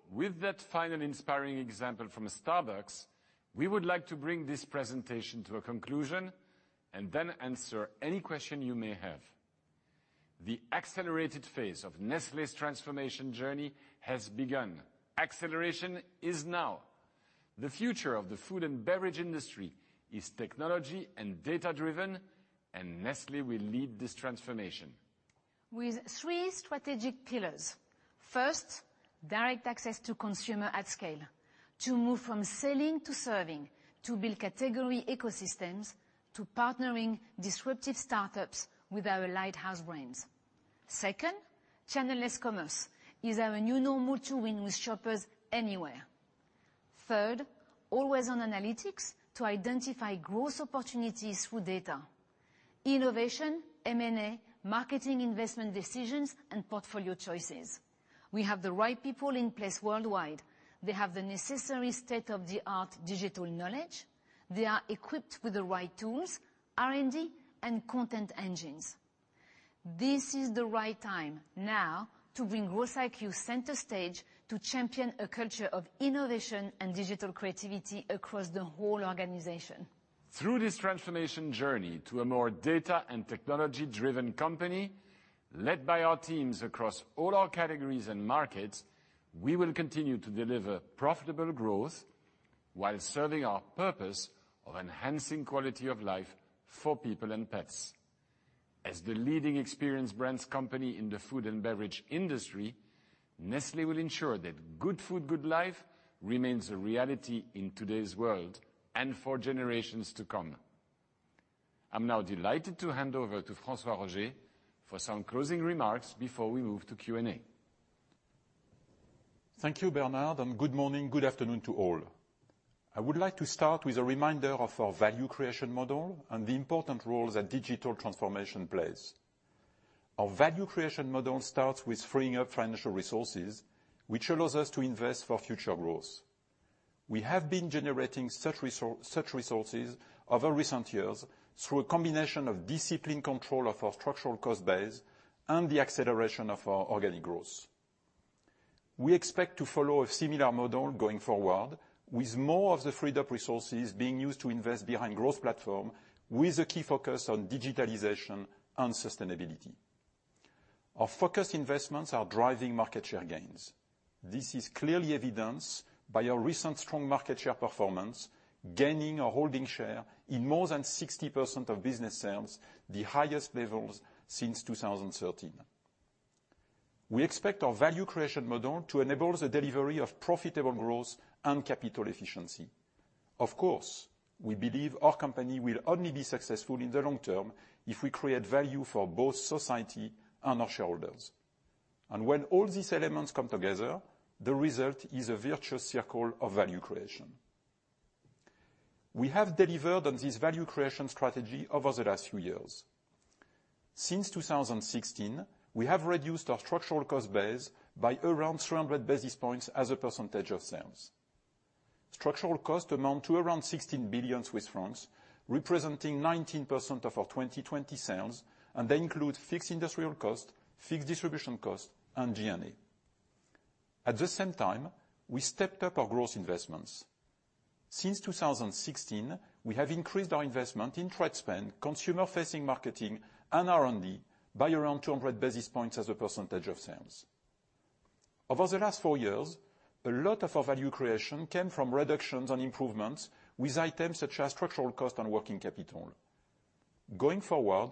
With that final inspiring example from Starbucks, we would like to bring this presentation to a conclusion and then answer any question you may have. The accelerated phase of Nestlé's transformation journey has begun. Acceleration is now. The future of the food and beverage industry is technology and data-driven, and Nestlé will lead this transformation. With three strategic pillars. First, direct access to consumer at scale. To move from selling to serving, to build category ecosystems, to partnering disruptive startups with our lighthouse brands. Second, channel-less commerce is our new normal to win with shoppers anywhere. Third, always on analytics to identify growth opportunities through data. Innovation, M&A, marketing investment decisions, and portfolio choices. We have the right people in place worldwide. They have the necessary state-of-the-art digital knowledge. They are equipped with the right tools, R&D, and content engines. This is the right time now to bring Growth IQ center stage to champion a culture of innovation and digital creativity across the whole organization. Through this transformation journey to a more data and technology-driven company, led by our teams across all our categories and markets, we will continue to deliver profitable growth while serving our purpose of enhancing quality of life for people and pets. As the leading experience brands company in the food and beverage industry, Nestlé will ensure that good food, good life remains a reality in today's world and for generations to come. I'm now delighted to hand over to François-Xavier Roger for some closing remarks before we move to Q&A. Thank you, Bernard, and good morning, good afternoon to all. I would like to start with a reminder of our value creation model and the important role that digital transformation plays. Our value creation model starts with freeing up financial resources, which allows us to invest for future growth. We have been generating such resources over recent years through a combination of disciplined control of our structural cost base and the acceleration of our organic growth. We expect to follow a similar model going forward, with more of the freed up resources being used to invest behind growth platform, with a key focus on digitalization and sustainability. Our focus investments are driving market share gains. This is clearly evidenced by our recent strong market share performance, gaining or holding share in more than 60% of business sales, the highest levels since 2013. We expect our value creation model to enable the delivery of profitable growth and capital efficiency. Of course, we believe our company will only be successful in the long term if we create value for both society and our shareholders. When all these elements come together, the result is a virtuous circle of value creation. We have delivered on this value creation strategy over the last few years. Since 2016, we have reduced our structural cost base by around 300 basis points as a percentage of sales. Structural costs amount to around 16 billion Swiss francs, representing 19% of our 2020 sales, and they include fixed industrial costs, fixed distribution costs, and G&A. At the same time, we stepped up our growth investments. Since 2016, we have increased our investment in trade spend, consumer-facing marketing, and R&D by around 200 basis points as a percentage of sales. Over the last four years, a lot of our value creation came from reductions and improvements in items such as structural costs and working capital. Going forward,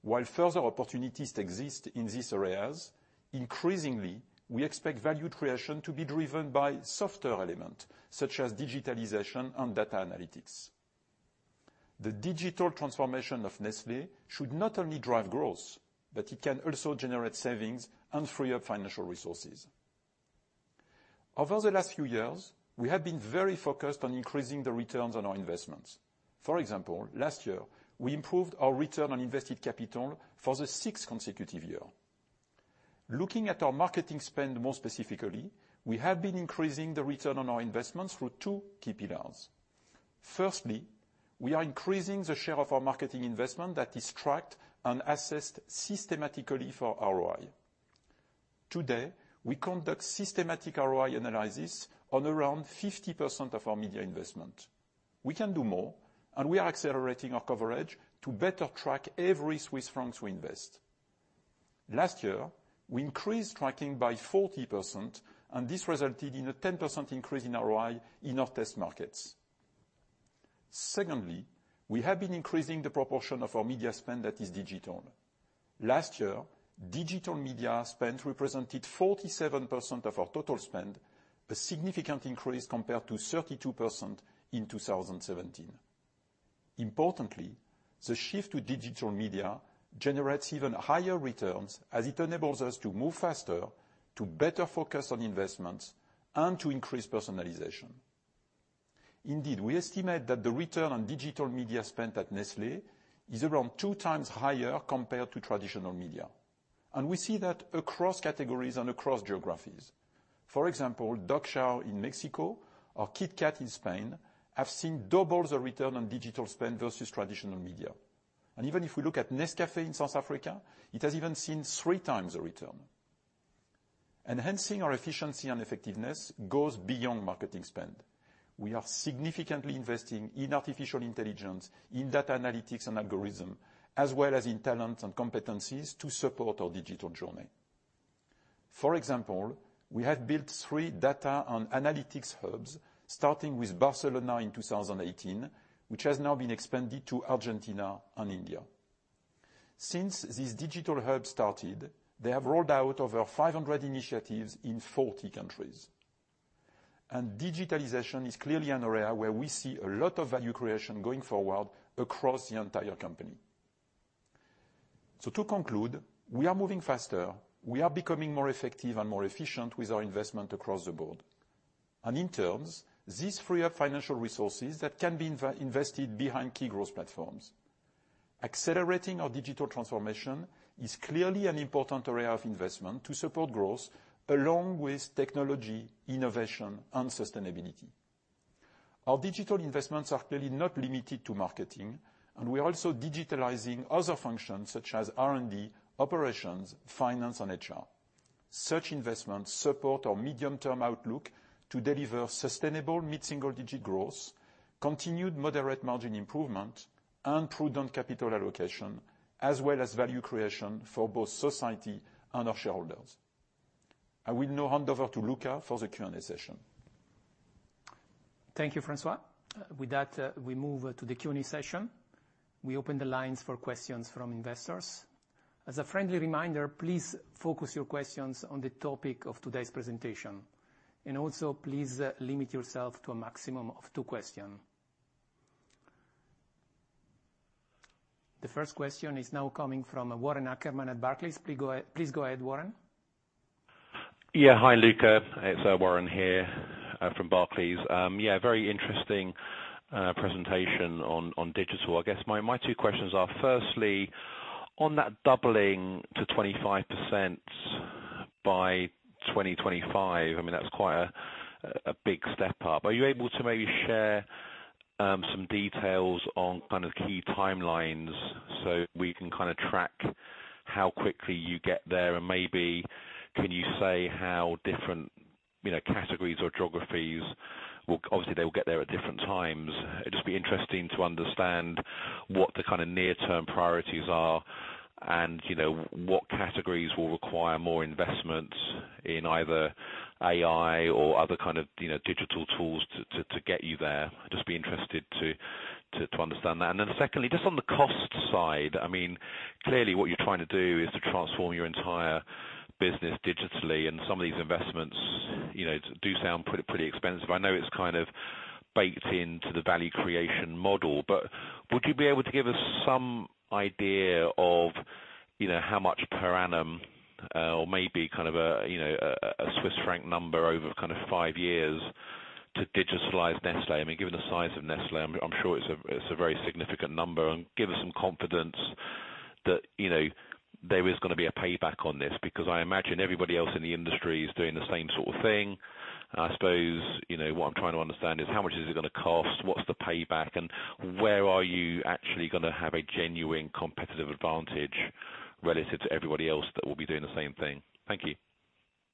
while further opportunities exist in these areas, increasingly we expect value creation to be driven by softer elements such as digitalization and data analytics. The digital transformation of Nestlé should not only drive growth, but it can also generate savings and free up financial resources. Over the last few years, we have been very focused on increasing the returns on our investments. For example, last year, we improved our return on invested capital for the sixth consecutive year. Looking at our marketing spend more specifically, we have been increasing the return on our investments through two key pillars. Firstly, we are increasing the share of our marketing investment that is tracked and assessed systematically for ROI. Today, we conduct systematic ROI analysis on around 50% of our media investment. We can do more, and we are accelerating our coverage to better track every Swiss franc we invest. Last year, we increased tracking by 40%, and this resulted in a 10% increase in ROI in our test markets. Secondly, we have been increasing the proportion of our media spend that is digital. Last year, digital media spend represented 47% of our total spend, a significant increase compared to 32% in 2017. Importantly, the shift to digital media generates even higher returns as it enables us to move faster, to better focus on investments, and to increase personalization. Indeed, we estimate that the return on digital media spend at Nestlé is around two times higher compared to traditional media. We see that across categories and across geographies. For example, Dog Chow in Mexico or KitKat in Spain have seen double the return on digital spend versus traditional media. Even if we look at Nescafé in South Africa, it has even seen three times the return. Enhancing our efficiency and effectiveness goes beyond marketing spend. We are significantly investing in artificial intelligence, in data analytics and algorithm, as well as in talent and competencies to support our digital journey. For example, we have built three data and analytics hubs, starting with Barcelona in 2018, which has now been expanded to Argentina and India. Since these digital hubs started, they have rolled out over 500 initiatives in 40 countries. Digitalization is clearly an area where we see a lot of value creation going forward across the entire company. To conclude, we are moving faster. We are becoming more effective and more efficient with our investment across the board. In turn, these free up financial resources that can be invested behind key growth platforms. Accelerating our digital transformation is clearly an important area of investment to support growth along with technology, innovation, and sustainability. Our digital investments are clearly not limited to marketing, and we're also digitalizing other functions such as R&D, operations, finance, and HR. Such investments support our medium-term outlook to deliver sustainable mid-single-digit growth, continued moderate margin improvement, and prudent capital allocation, as well as value creation for both society and our shareholders. I will now hand over to Luca for the Q&A session. Thank you, François. With that, we move to the Q&A session. We open the lines for questions from investors. As a friendly reminder, please focus your questions on the topic of today's presentation, and also please limit yourself to a maximum of two questions. The first question is now coming from Warren Ackerman at Barclays. Please go ahead, Warren. Yeah. Hi, Luca. It's Warren here from Barclays. Yeah, very interesting presentation on digital. I guess my two questions are, firstly, on that doubling to 25% by 2025, I mean, that's quite a big step up. Are you able to maybe share some details on kind of key timelines, so we can kinda track how quickly you get there? And maybe can you say how different, you know, categories or geographies will obviously get there at different times. It'd just be interesting to understand what the kinda near-term priorities are and, you know, what categories will require more investment in either AI or other kind of, you know, digital tools to get you there. I'd just be interested to understand that. Then secondly, just on the cost side, I mean, clearly what you're trying to do is to transform your entire business digitally, and some of these investments, you know, do sound pretty expensive. I know it's kind of baked into the value creation model, but would you be able to give us some idea of, you know, how much per annum, or maybe kind of a, you know, a Swiss franc number over kind of five years to digitalize Nestlé? I mean, given the size of Nestlé, I'm sure it's a very significant number, and give us some confidence that, you know, there is gonna be a payback on this. Because I imagine everybody else in the industry is doing the same sort of thing, and I suppose, you know, what I'm trying to understand is how much is it gonna cost, what's the payback, and where are you actually gonna have a genuine competitive advantage relative to everybody else that will be doing the same thing? Thank you.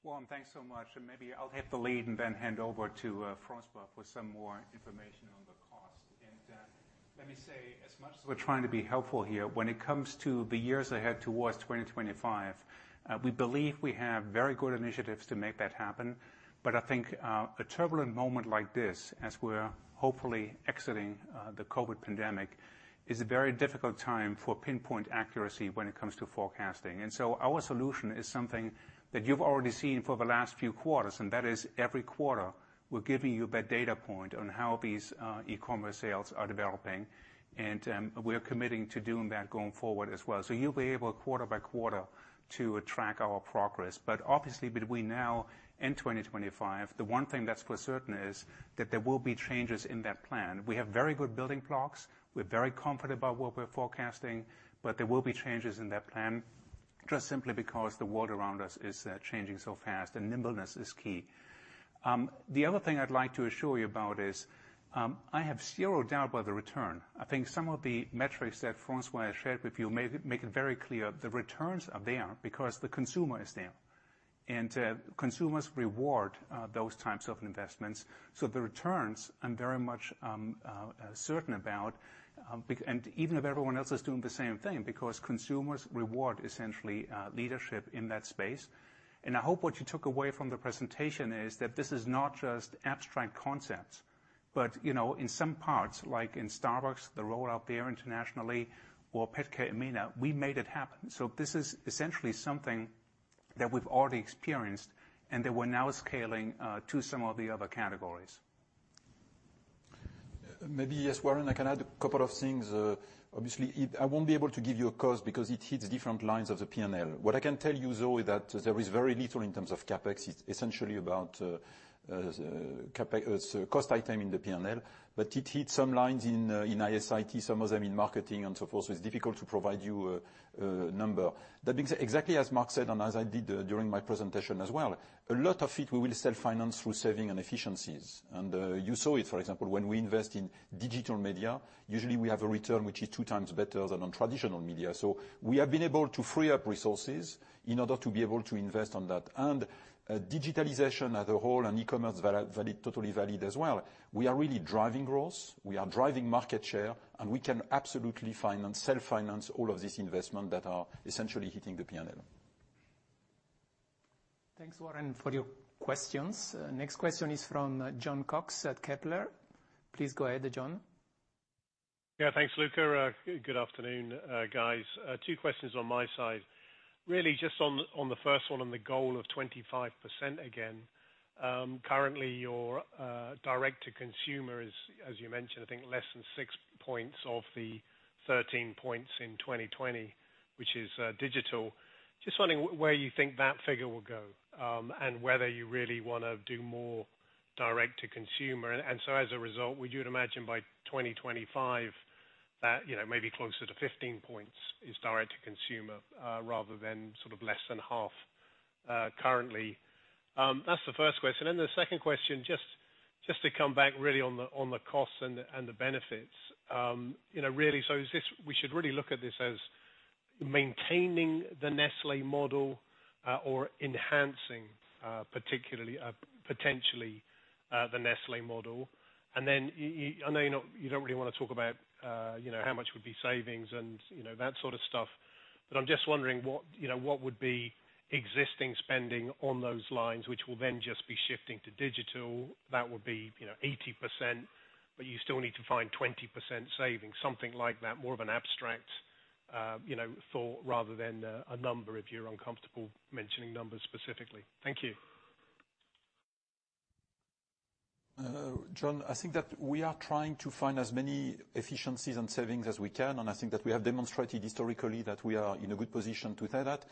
Warren, thanks so much. Maybe I'll take the lead and then hand over to François with some more information on the cost. Let me say, as much as we're trying to be helpful here, when it comes to the years ahead towards 2025, we believe we have very good initiatives to make that happen. I think a turbulent moment like this, as we're hopefully exiting the COVID pandemic, is a very difficult time for pinpoint accuracy when it comes to forecasting. Our solution is something that you've already seen for the last few quarters, and that is every quarter we're giving you that data point on how these e-commerce sales are developing, and we're committing to doing that going forward as well. You'll be able quarter by quarter to track our progress. Obviously between now and 2025, the one thing that's for certain is that there will be changes in that plan. We have very good building blocks. We're very confident about what we're forecasting, but there will be changes in that plan just simply because the world around us is changing so fast and nimbleness is key. The other thing I'd like to assure you about is I have zero doubt about the return. I think some of the metrics that François has shared with you make it very clear the returns are there because the consumer is there. Consumers reward those types of investments. The returns I'm very much certain about and even if everyone else is doing the same thing because consumers reward essentially leadership in that space. I hope what you took away from the presentation is that this is not just abstract concepts, but, you know, in some parts, like in Starbucks, the roll out there internationally or Petcare EMENA, we made it happen. This is essentially something that we've already experienced and that we're now scaling to some of the other categories. Maybe, yes, Warren, I can add a couple of things. Obviously, it—I won't be able to give you a cost because it hits different lines of the P&L. What I can tell you, though, is that there is very little in terms of CapEx. It's essentially about a cost item in the P&L, but it hits some lines in IS/IT, some of them in marketing and so forth, so it's difficult to provide you a number. That being said, exactly as Mark said, and as I did during my presentation as well, a lot of it we will self-finance through saving and efficiencies. You saw it, for example, when we invest in digital media, usually we have a return which is two times better than on traditional media. We have been able to free up resources in order to be able to invest in that. Digitalization as a whole and e-commerce valid, totally valid as well, we are really driving growth, we are driving market share, and we can absolutely finance, self-finance all of this investment that are essentially hitting the P&L. Thanks, Warren, for your questions. Next question is from Jon Cox at Kepler. Please go ahead, John. Thanks, Luca. Good afternoon, guys. Two questions on my side. Really just on the first one, on the goal of 25% again, currently your direct to consumer is, as you mentioned, I think less than 6 points of the 13 points in 2020, which is digital. Just wondering where you think that figure will go, and whether you really wanna do more direct to consumer. As a result, would you imagine by 2025 that, you know, maybe closer to 15 points is direct to consumer, rather than sort of less than half, currently. That's the first question. The second question, just to come back really on the costs and the benefits, you know, really, so is this we should really look at this as maintaining the Nestlé model, or enhancing, particularly, potentially, the Nestlé model. I know you're not, you don't really wanna talk about, you know, how much would be savings and, you know, that sort of stuff. I'm just wondering what, you know, what would be existing spending on those lines, which will then just be shifting to digital. That would be, you know, 80%, but you still need to find 20% savings, something like that. More of an abstract, you know, thought rather than a number if you're uncomfortable mentioning numbers specifically. Thank you. John, I think that we are trying to find as many efficiencies and savings as we can, and I think that we have demonstrated historically that we are in a good position to try that.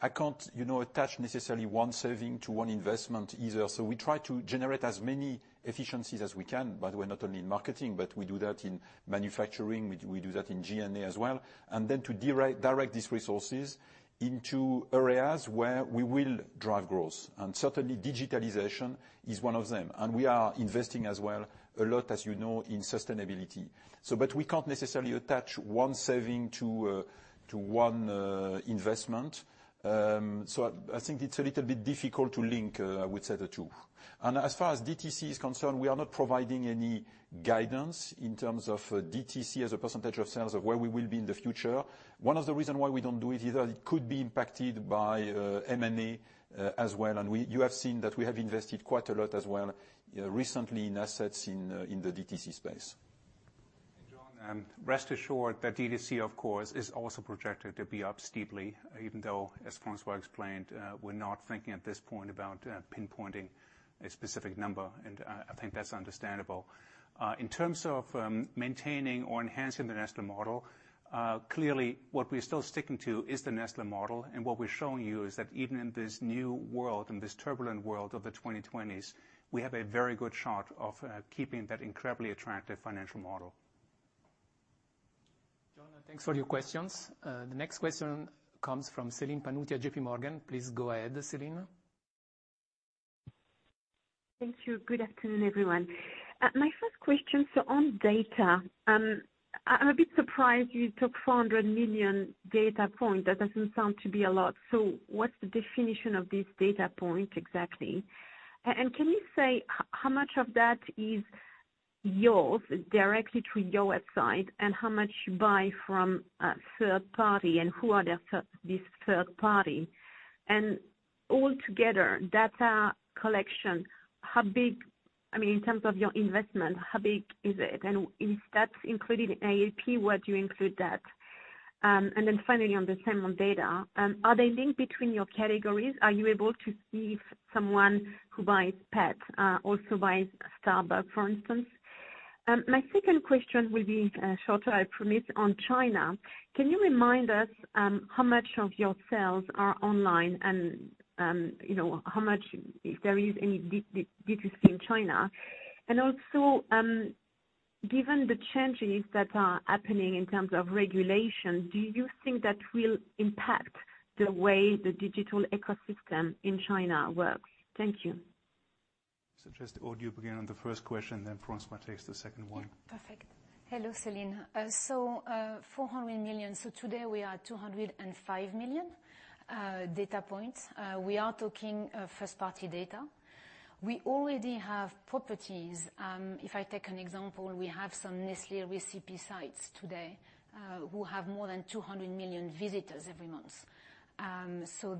I can't, you know, attach necessarily one saving to one investment either. We try to generate as many efficiencies as we can, by the way, not only in marketing, but we do that in manufacturing, we do that in G&A as well. Direct these resources into areas where we will drive growth. Certainly digitalization is one of them. We are investing as well a lot, as you know, in sustainability. But we can't necessarily attach one saving to one investment. I think it's a little bit difficult to link, I would say the two. As far as DTC is concerned, we are not providing any guidance in terms of DTC as a percentage of sales of where we will be in the future. One of the reasons why we don't do it is that it could be impacted by M&A as well. You have seen that we have invested quite a lot as well, you know, recently in assets in the DTC space. John, rest assured that DTC, of course, is also projected to be up steeply, even though, as François explained, we're not thinking at this point about pinpointing a specific number, and I think that's understandable. In terms of maintaining or enhancing the Nestlé model, clearly, what we're still sticking to is the Nestlé model. What we're showing you is that even in this new world and this turbulent world of the 2020s, we have a very good shot of keeping that incredibly attractive financial model. John, thanks for your questions. The next question comes from Celine Pannuti at JPMorgan. Please go ahead, Celine. Thank you. Good afternoon, everyone. My first question on data. I'm a bit surprised you took 400 million data points. That doesn't sound to be a lot. What's the definition of this data point exactly? And can you say how much of that is yours directly through your website and how much you buy from a third party and who are this third party? And all together, data collection, I mean, in terms of your investment, how big is it? And is that included in AAP? Would you include that? And then finally on the same data, are they linked between your categories? Are you able to see if someone who buys pets also buys Starbucks, for instance? My second question will be shorter, I promise, on China. Can you remind us, how much of your sales are online and, you know, how much there is in DTC in China? Also, given the changes that are happening in terms of regulation, do you think that will impact the way the digital ecosystem in China works? Thank you. Just Aude begin on the first question, then François takes the second one. Yeah. Perfect. Hello, Celine. 400 million. Today we are at 205 million data points. We are talking first party data. We already have properties. If I take an example, we have some Nestlé recipe sites today who have more than 200 million visitors every month.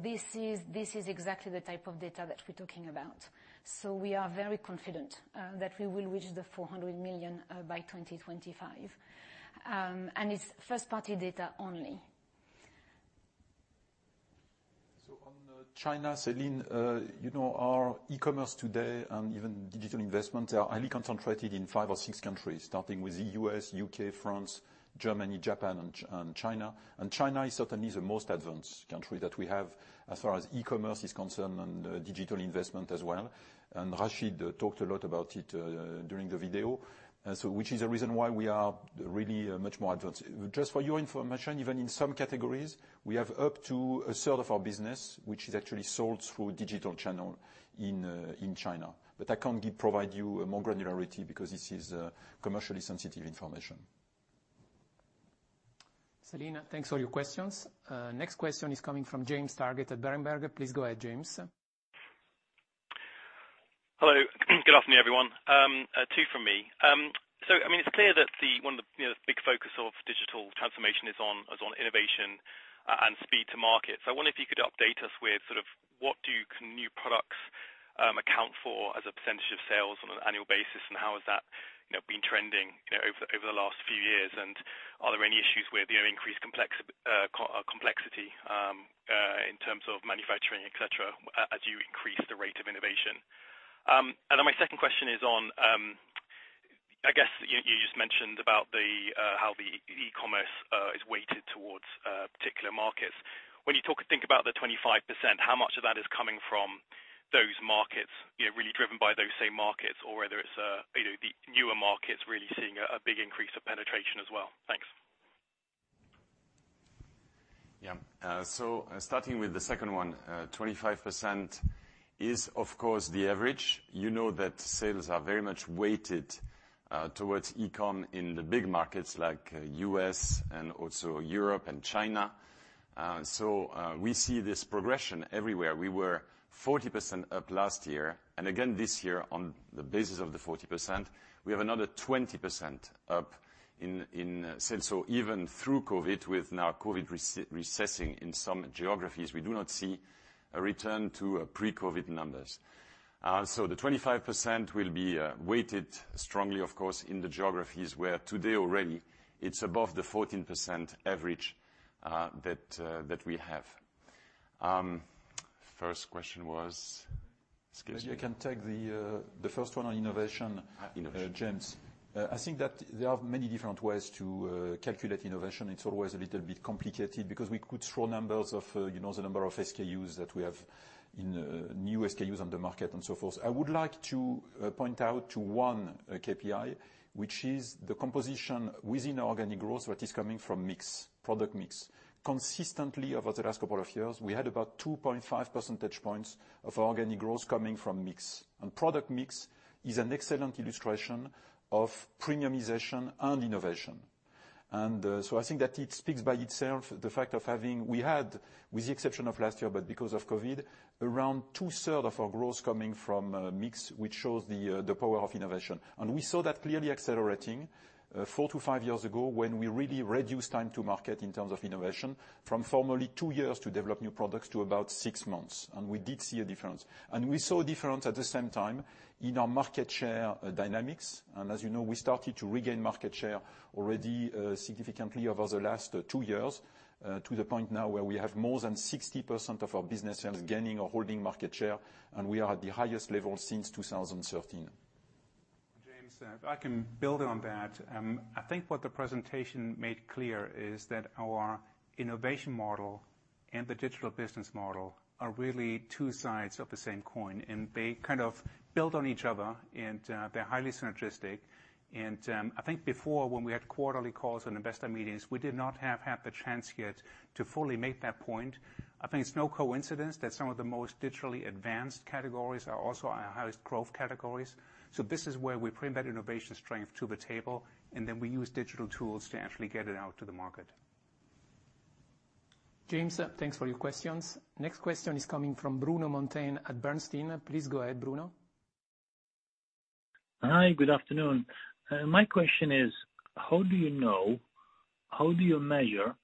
This is exactly the type of data that we're talking about. We are very confident that we will reach the 400 million by 2025. It's first party data only. On China, Celine, you know, our e-commerce today, even digital investment are highly concentrated in five or six countries, starting with U.S., U.K., France, Germany, Japan, and China. China is certainly the most advanced country that we have as far as e-commerce is concerned and digital investment as well. Rashid talked a lot about it during the video. Which is a reason why we are really much more advanced. Just for your information, even in some categories, we have up to a third of our business, which is actually sold through digital channel in China. I can't provide you a more granularity because this is, commercially sensitive information. Celine, thanks for your questions. Next question is coming from James Targett at Berenberg. Please go ahead, James. Hello. Good afternoon, everyone. Two from me. I mean, it's clear that one of the, you know, big focus of digital transformation is on innovation and speed to market. I wonder if you could update us with sort of what do new products account for as a percentage of sales on an annual basis and how has that, you know, been trending, you know, over the last few years? And are there any issues with, you know, increased complexity in terms of manufacturing, et cetera, as you increase the rate of innovation? And then my second question is on, I guess you just mentioned about how the e-commerce is weighted towards particular markets. When you think about the 25%, how much of that is coming from those markets, you know, really driven by those same markets or whether it's, you know, the newer markets really seeing a big increase of penetration as well? Thanks. Yeah. Starting with the second one, 25% is, of course, the average. You know that sales are very much weighted towards e-com in the big markets like U.S. and also Europe and China. We see this progression everywhere. We were 40% up last year, and again this year, on the basis of the 40%, we have another 20% up. Since or even through COVID, with now COVID recessing in some geographies, we do not see a return to pre-COVID numbers. The 25% will be weighted strongly, of course, in the geographies where today already it's above the 14% average that we have. First question was? Excuse me. Maybe I can take the first one on innovation. Innovation. James. I think that there are many different ways to calculate innovation. It's always a little bit complicated, because we could throw numbers of, you know, the number of SKUs that we have in new SKUs on the market and so forth. I would like to point out to one KPI, which is the composition within organic growth, what is coming from mix, product mix. Consistently over the last couple of years, we had about 2.5 percentage points of organic growth coming from mix. Product mix is an excellent illustration of premiumization and innovation. I think that it speaks for itself, the fact that we had, with the exception of last year, but because of COVID, around two-thirds of our growth coming from mix, which shows the power of innovation. We saw that clearly accelerating four to five years ago when we really reduced time to market in terms of innovation, from formerly two years to develop new products to about six months. We did see a difference at the same time in our market share dynamics. As you know, we started to regain market share already, significantly over the last two years, to the point now where we have more than 60% of our business is gaining or holding market share, and we are at the highest level since 2013. James, if I can build on that. I think what the presentation made clear is that our innovation model and the digital business model are really two sides of the same coin, and they kind of build on each other and, they're highly synergistic. I think before when we had quarterly calls and investor meetings, we did not have had the chance yet to fully make that point. I think it's no coincidence that some of the most digitally advanced categories are also our highest growth categories. This is where we bring that innovation strength to the table, and then we use digital tools to actually get it out to the market. James, thanks for your questions. Next question is coming from Bruno Monteyne at Bernstein. Please go ahead, Bruno. Hi, good afternoon. My question is: How do you know, how do you measure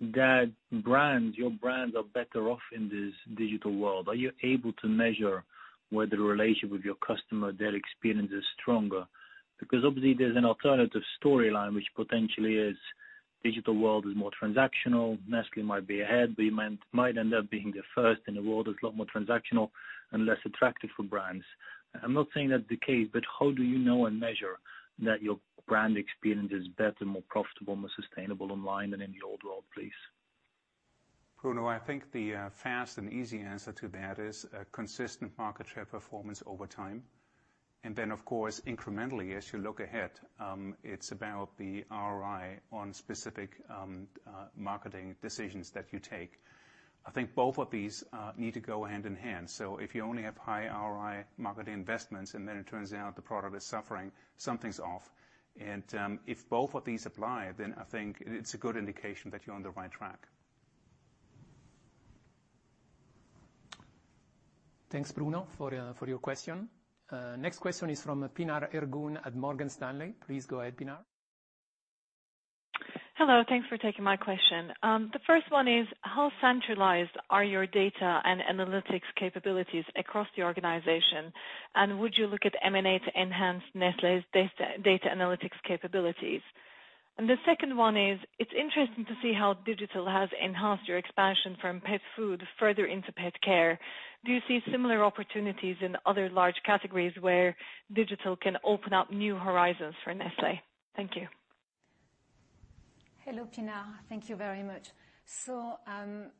that brands, your brands are better off in this digital world? Are you able to measure whether the relationship with your customer, their experience is stronger? Because obviously there's an alternative storyline, which potentially is digital world is more transactional. Nestlé might be ahead, but you might end up being the first in a world that's a lot more transactional and less attractive for brands. I'm not saying that's the case, but how do you know and measure that your brand experience is better, more profitable, more sustainable online than in the old world, please? Bruno, I think the fast and easy answer to that is consistent market share performance over time. Then, of course, incrementally, as you look ahead, it's about the ROI on specific marketing decisions that you take. I think both of these need to go hand in hand. If you only have high ROI marketing investments, and then it turns out the product is suffering, something's off. If both of these apply, then I think it's a good indication that you're on the right track. Thanks, Bruno, for your question. Next question is from Pinar Ergun at Morgan Stanley. Please go ahead, Pinar. Hello, thanks for taking my question. The first one is, how centralized are your data and analytics capabilities across the organization? Would you look at M&A to enhance Nestlé's data analytics capabilities? The second one is, it's interesting to see how digital has enhanced your expansion from pet food further into pet care. Do you see similar opportunities in other large categories where digital can open up new horizons for Nestlé? Thank you. Hello, Pinar Ergun. Thank you very much.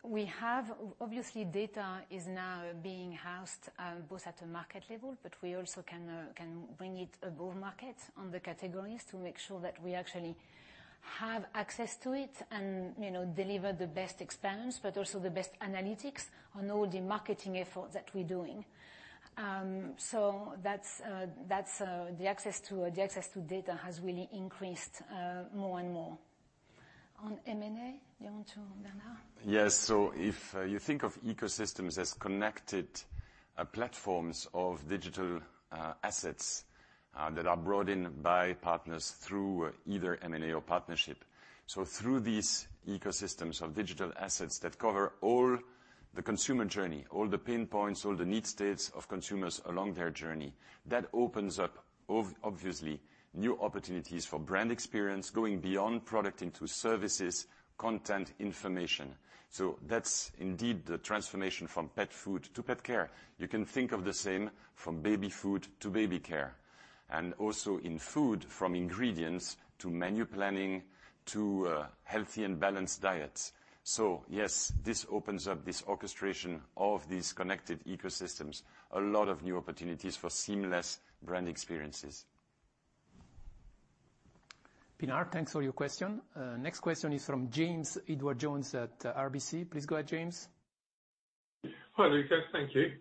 We have obviously data is now being housed both at a market level, but we also can bring it above market on the categories to make sure that we actually have access to it and, you know, deliver the best experience, but also the best analytics on all the marketing efforts that we're doing. That's the access to data has really increased more and more. On M&A, you want to, Bernard Meunier? Yes. If you think of ecosystems as connected platforms of digital assets that are brought in by partners through either M&A or partnership. Through these ecosystems of digital assets that cover all the consumer journey, all the pain points, all the need states of consumers along their journey, that opens up obviously new opportunities for brand experience, going beyond product into services, content, information. That's indeed the transformation from pet food to pet care. You can think of the same from baby food to baby care, and also in food from ingredients to menu planning to healthy and balanced diets. Yes, this opens up this orchestration of these connected ecosystems, a lot of new opportunities for seamless brand experiences. Pinar, thanks for your question. Next question is from James Edwardes Jones at RBC. Please go ahead, James. Hi, Luca. Thank you.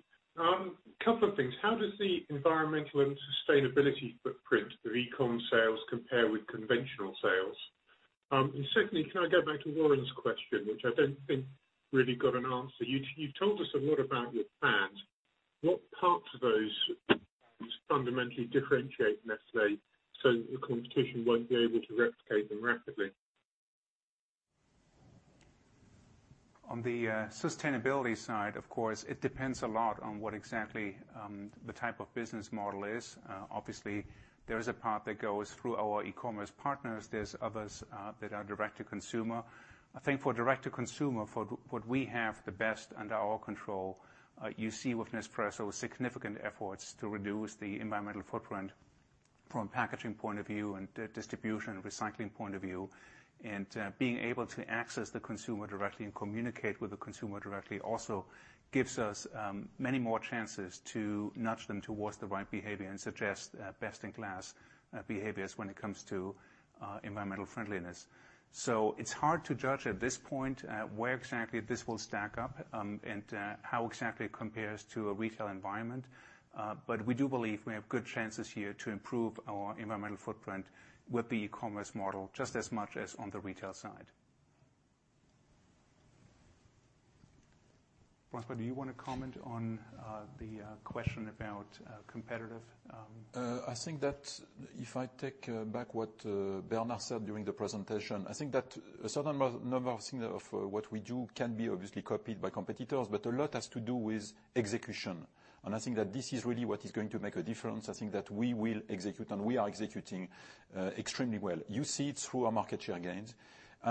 Couple of things. How does the environmental and sustainability footprint of e-com sales compare with conventional sales? Secondly, can I go back to Warren's question, which I don't think really got an answer. You've told us a lot about your plans. What parts of those fundamentally differentiate Nestlé so your competition won't be able to replicate them rapidly? On the sustainability side, of course, it depends a lot on what exactly the type of business model is. Obviously, there is a part that goes through our e-commerce partners. There's others that are direct to consumer. I think for direct to consumer, for what we have the best under our control, you see with Nespresso significant efforts to reduce the environmental footprint from packaging point of view and distribution, recycling point of view, and being able to access the consumer directly and communicate with the consumer directly also gives us many more chances to nudge them towards the right behavior and suggest best in class behaviors when it comes to environmental friendliness. It's hard to judge at this point where exactly this will stack up and how exactly it compares to a retail environment. We do believe we have good chances here to improve our environmental footprint with the e-commerce model just as much as on the retail side. François, do you want to comment on the question about competitive? I think that if I take back what Bernard said during the presentation, I think that a certain number of things of what we do can be obviously copied by competitors, but a lot has to do with execution. I think that this is really what is going to make a difference. I think that we will execute, and we are executing extremely well. You see it through our market share gains.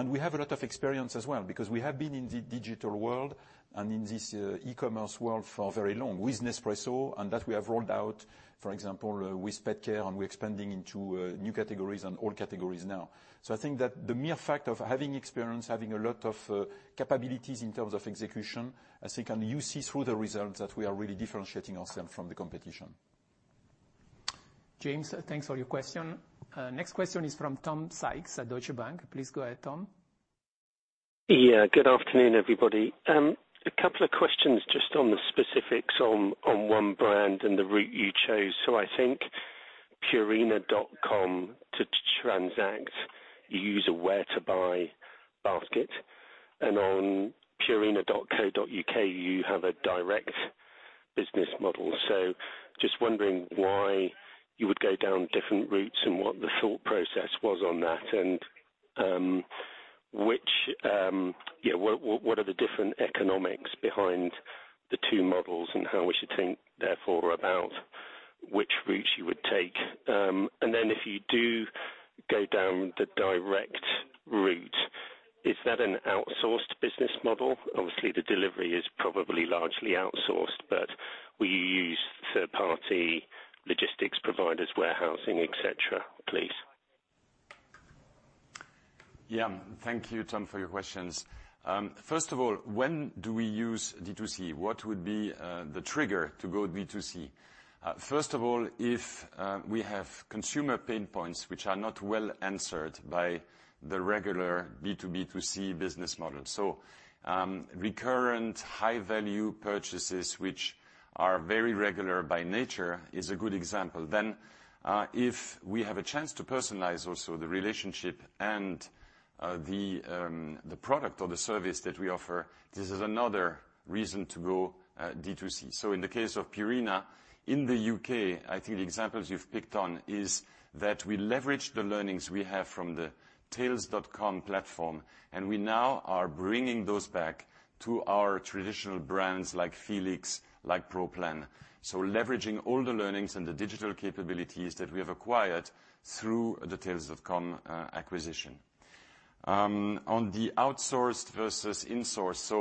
We have a lot of experience as well because we have been in the digital world and in this e-commerce world for very long with Nespresso and that we have rolled out, for example, with PetCare, and we're expanding into new categories and all categories now. I think that the mere fact of having experience, having a lot of capabilities in terms of execution, I think, and you see through the results that we are really differentiating ourselves from the competition. James, thanks for your question. Next question is from Tom Sykes at Deutsche Bank. Please go ahead, Tom. Yeah, good afternoon, everybody. A couple of questions just on the specifics on one brand and the route you chose. I think purina.com to transact, you use a where to buy basket, and on purina.co.uk you have a direct business model. Just wondering why you would go down different routes and what the thought process was on that, and yeah, what are the different economics behind the two models and how we should think therefore about which route you would take. Then if you do go down the direct route, is that an outsourced business model? Obviously, the delivery is probably largely outsourced, but will you use third-party logistics providers, warehousing, et cetera, please? Yeah. Thank you, Tom, for your questions. First of all, when do we use D2C? What would be the trigger to go D2C? First of all, if we have consumer pain points which are not well answered by the regular B2B2C business model. Recurrent high-value purchases which are very regular by nature is a good example. If we have a chance to personalize also the relationship and the product or the service that we offer, this is another reason to go D2C. In the case of Purina in the U.K., I think the examples you've picked on is that we leverage the learnings we have from the tails.com platform, and we now are bringing those back to our traditional brands like Felix, like Pro Plan. Leveraging all the learnings and the digital capabilities that we have acquired through the tails.com acquisition. On the outsourced versus insourced,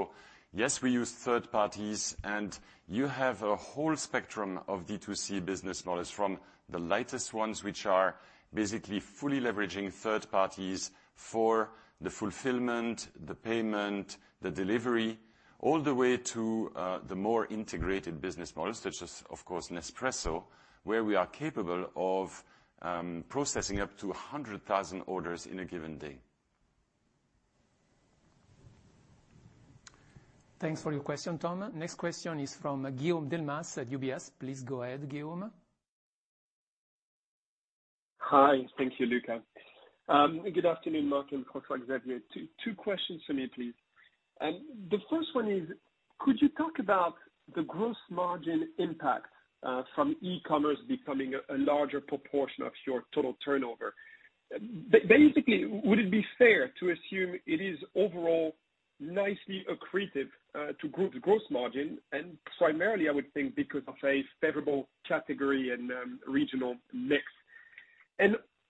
yes, we use third parties, and you have a whole spectrum of D2C business models from the lightest ones, which are basically fully leveraging third parties for the fulfillment, the payment, the delivery, all the way to the more integrated business models such as, of course, Nespresso, where we are capable of processing up to 100,000 orders in a given day. Thanks for your question, Tom. Next question is from Guillaume Delmas at UBS. Please go ahead, Guillaume. Hi. Thank you, Luca. Good afternoon, Mark and François-Xavier. Two questions for me, please. The first one is, could you talk about the gross margin impact from e-commerce becoming a larger proportion of your total turnover? Basically, would it be fair to assume it is overall nicely accretive to group gross margin, and primarily, I would think because of a favorable category and regional mix?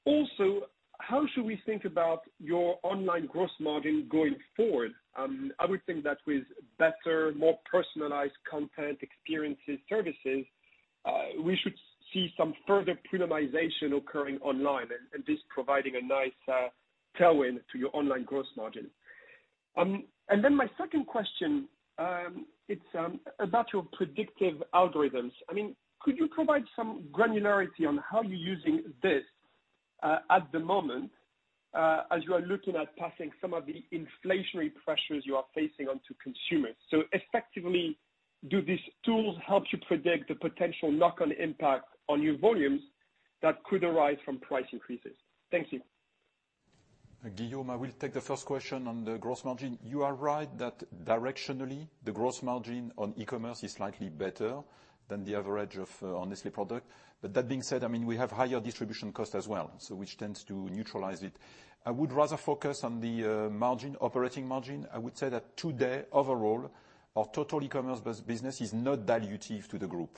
Also, how should we think about your online gross margin going forward? I would think that with better, more personalized content, experiences, services, we should see some further premiumization occurring online and this providing a nice tailwind to your online gross margin. Then my second question, it's about your predictive algorithms. I mean, could you provide some granularity on how you're using this, at the moment, as you are looking at passing some of the inflationary pressures you are facing on to consumers? So effectively Do these tools help to predict the potential knock-on impact on your volumes that could arise from price increases? Thank you. Guillaume, I will take the first question on the gross margin. You are right that directionally the gross margin on e-commerce is slightly better than the average of on Nestlé product. That being said, I mean, we have higher distribution costs as well, so which tends to neutralize it. I would rather focus on the margin, operating margin. I would say that today, overall, our total e-commerce business is not dilutive to the group.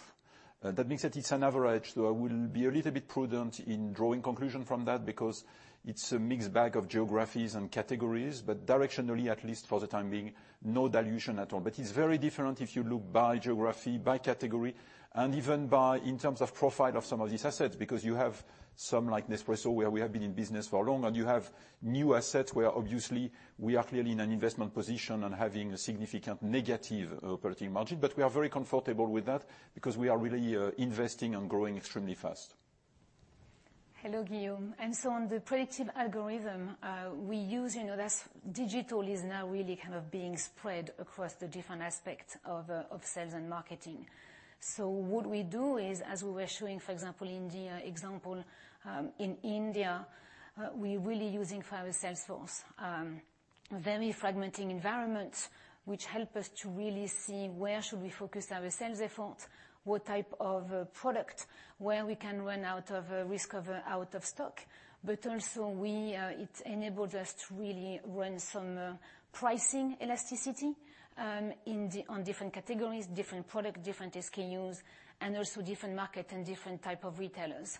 That being said, it's an average, so I will be a little bit prudent in drawing conclusion from that because it's a mixed bag of geographies and categories, but directionally, at least for the time being, no dilution at all. It's very different if you look by geography, by category, and even in terms of profile of some of these assets, because you have some like Nespresso, where we have been in business for long, and you have new assets where obviously we are clearly in an investment position and having a significant negative operating margin. We are very comfortable with that because we are really investing and growing extremely fast. Hello, Guillaume. On the predictive algorithm we use, digital is now really kind of being spread across the different aspects of sales and marketing. What we do is, as we were showing, for example, in the example in India, we're really using for our sales force very fragmented environments which help us to really see where we should focus our sales efforts, what type of product, where we can risk of out of stock. Also it's enabled us to really run some pricing elasticity on different categories, different product, different SKUs, and also different market and different type of retailers.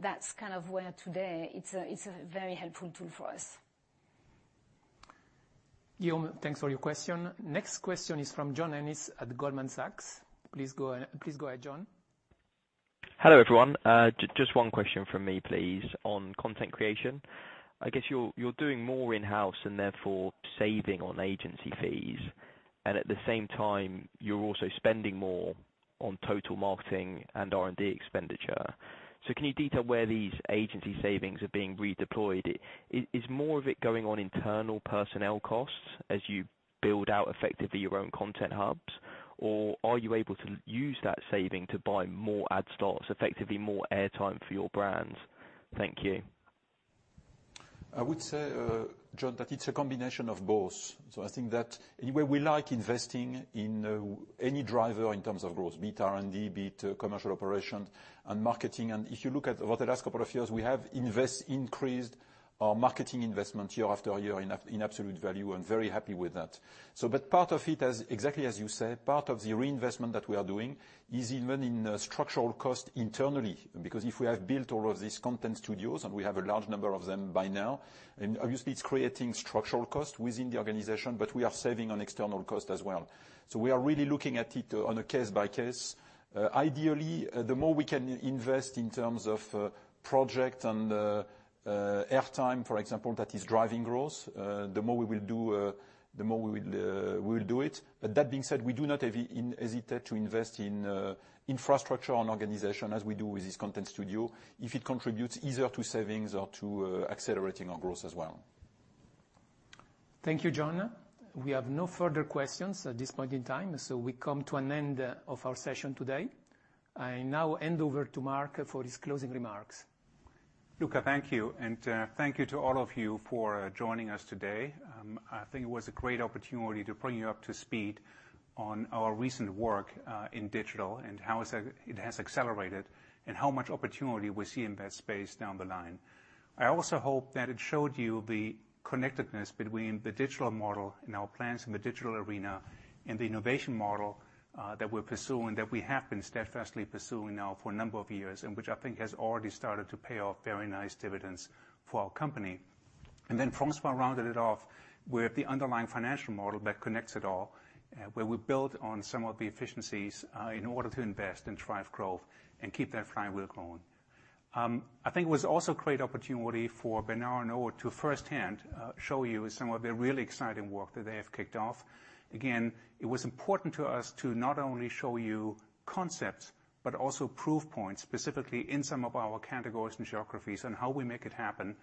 That's kind of where today it's a very helpful tool for us. Guillaume, thanks for your question. Next question is from John Ennis at Goldman Sachs. Please go ahead, John. Hello, everyone. Just one question from me, please, on content creation. I guess you're doing more in-house and therefore saving on agency fees, and at the same time, you're also spending more on total marketing and R&D expenditure. Can you detail where these agency savings are being redeployed? Is more of it going on internal personnel costs as you build out effectively your own content hubs, or are you able to use that saving to buy more ad starts, effectively more airtime for your brands? Thank you. I would say, John, that it's a combination of both. I think that anywhere we like investing in, any driver in terms of growth, be it R&D, be it commercial operation and marketing. If you look at over the last couple of years, we have increased our marketing investment year after year in absolute value, and very happy with that. Part of it, exactly as you say, part of the reinvestment that we are doing is even in structural costs internally. Because if we have built all of these content studios, and we have a large number of them by now, and obviously it's creating structural costs within the organization, but we are saving on external costs as well. We are really looking at it on a case by case. Ideally, the more we can invest in terms of project and airtime, for example, that is driving growth, the more we will do it. That being said, we do not hesitate to invest in infrastructure and organization as we do with this content studio, if it contributes either to savings or to accelerating our growth as well. Thank you, John. We have no further questions at this point in time, so we come to an end of our session today. I now hand over to Mark for his closing remarks. Luca, thank you, and thank you to all of you for joining us today. I think it was a great opportunity to bring you up to speed on our recent work in digital and how it has accelerated and how much opportunity we see in that space down the line. I also hope that it showed you the connectedness between the digital model and our plans in the digital arena and the innovation model that we're pursuing, that we have been steadfastly pursuing now for a number of years, and which I think has already started to pay off very nice dividends for our company. François rounded it off with the underlying financial model that connects it all, where we build on some of the efficiencies in order to invest and drive growth and keep that flywheel going. I think it was also a great opportunity for Bernard and Aude to firsthand show you some of the really exciting work that they have kicked off. Again, it was important to us to not only show you concepts, but also proof points, specifically in some of our categories and geographies and how we make it happen.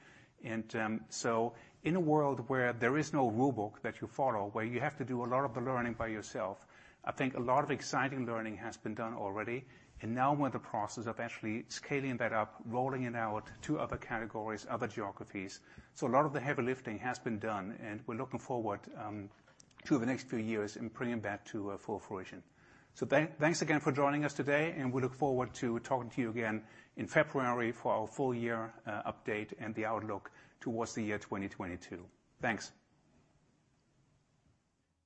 In a world where there is no rule book that you follow, where you have to do a lot of the learning by yourself, I think a lot of exciting learning has been done already, and now we're in the process of actually scaling that up, rolling it out to other categories, other geographies. A lot of the heavy lifting has been done, and we're looking forward to the next few years in bringing that to full fruition. Thanks again for joining us today, and we look forward to talking to you again in February for our full year update and the outlook towards the year 2022. Thanks.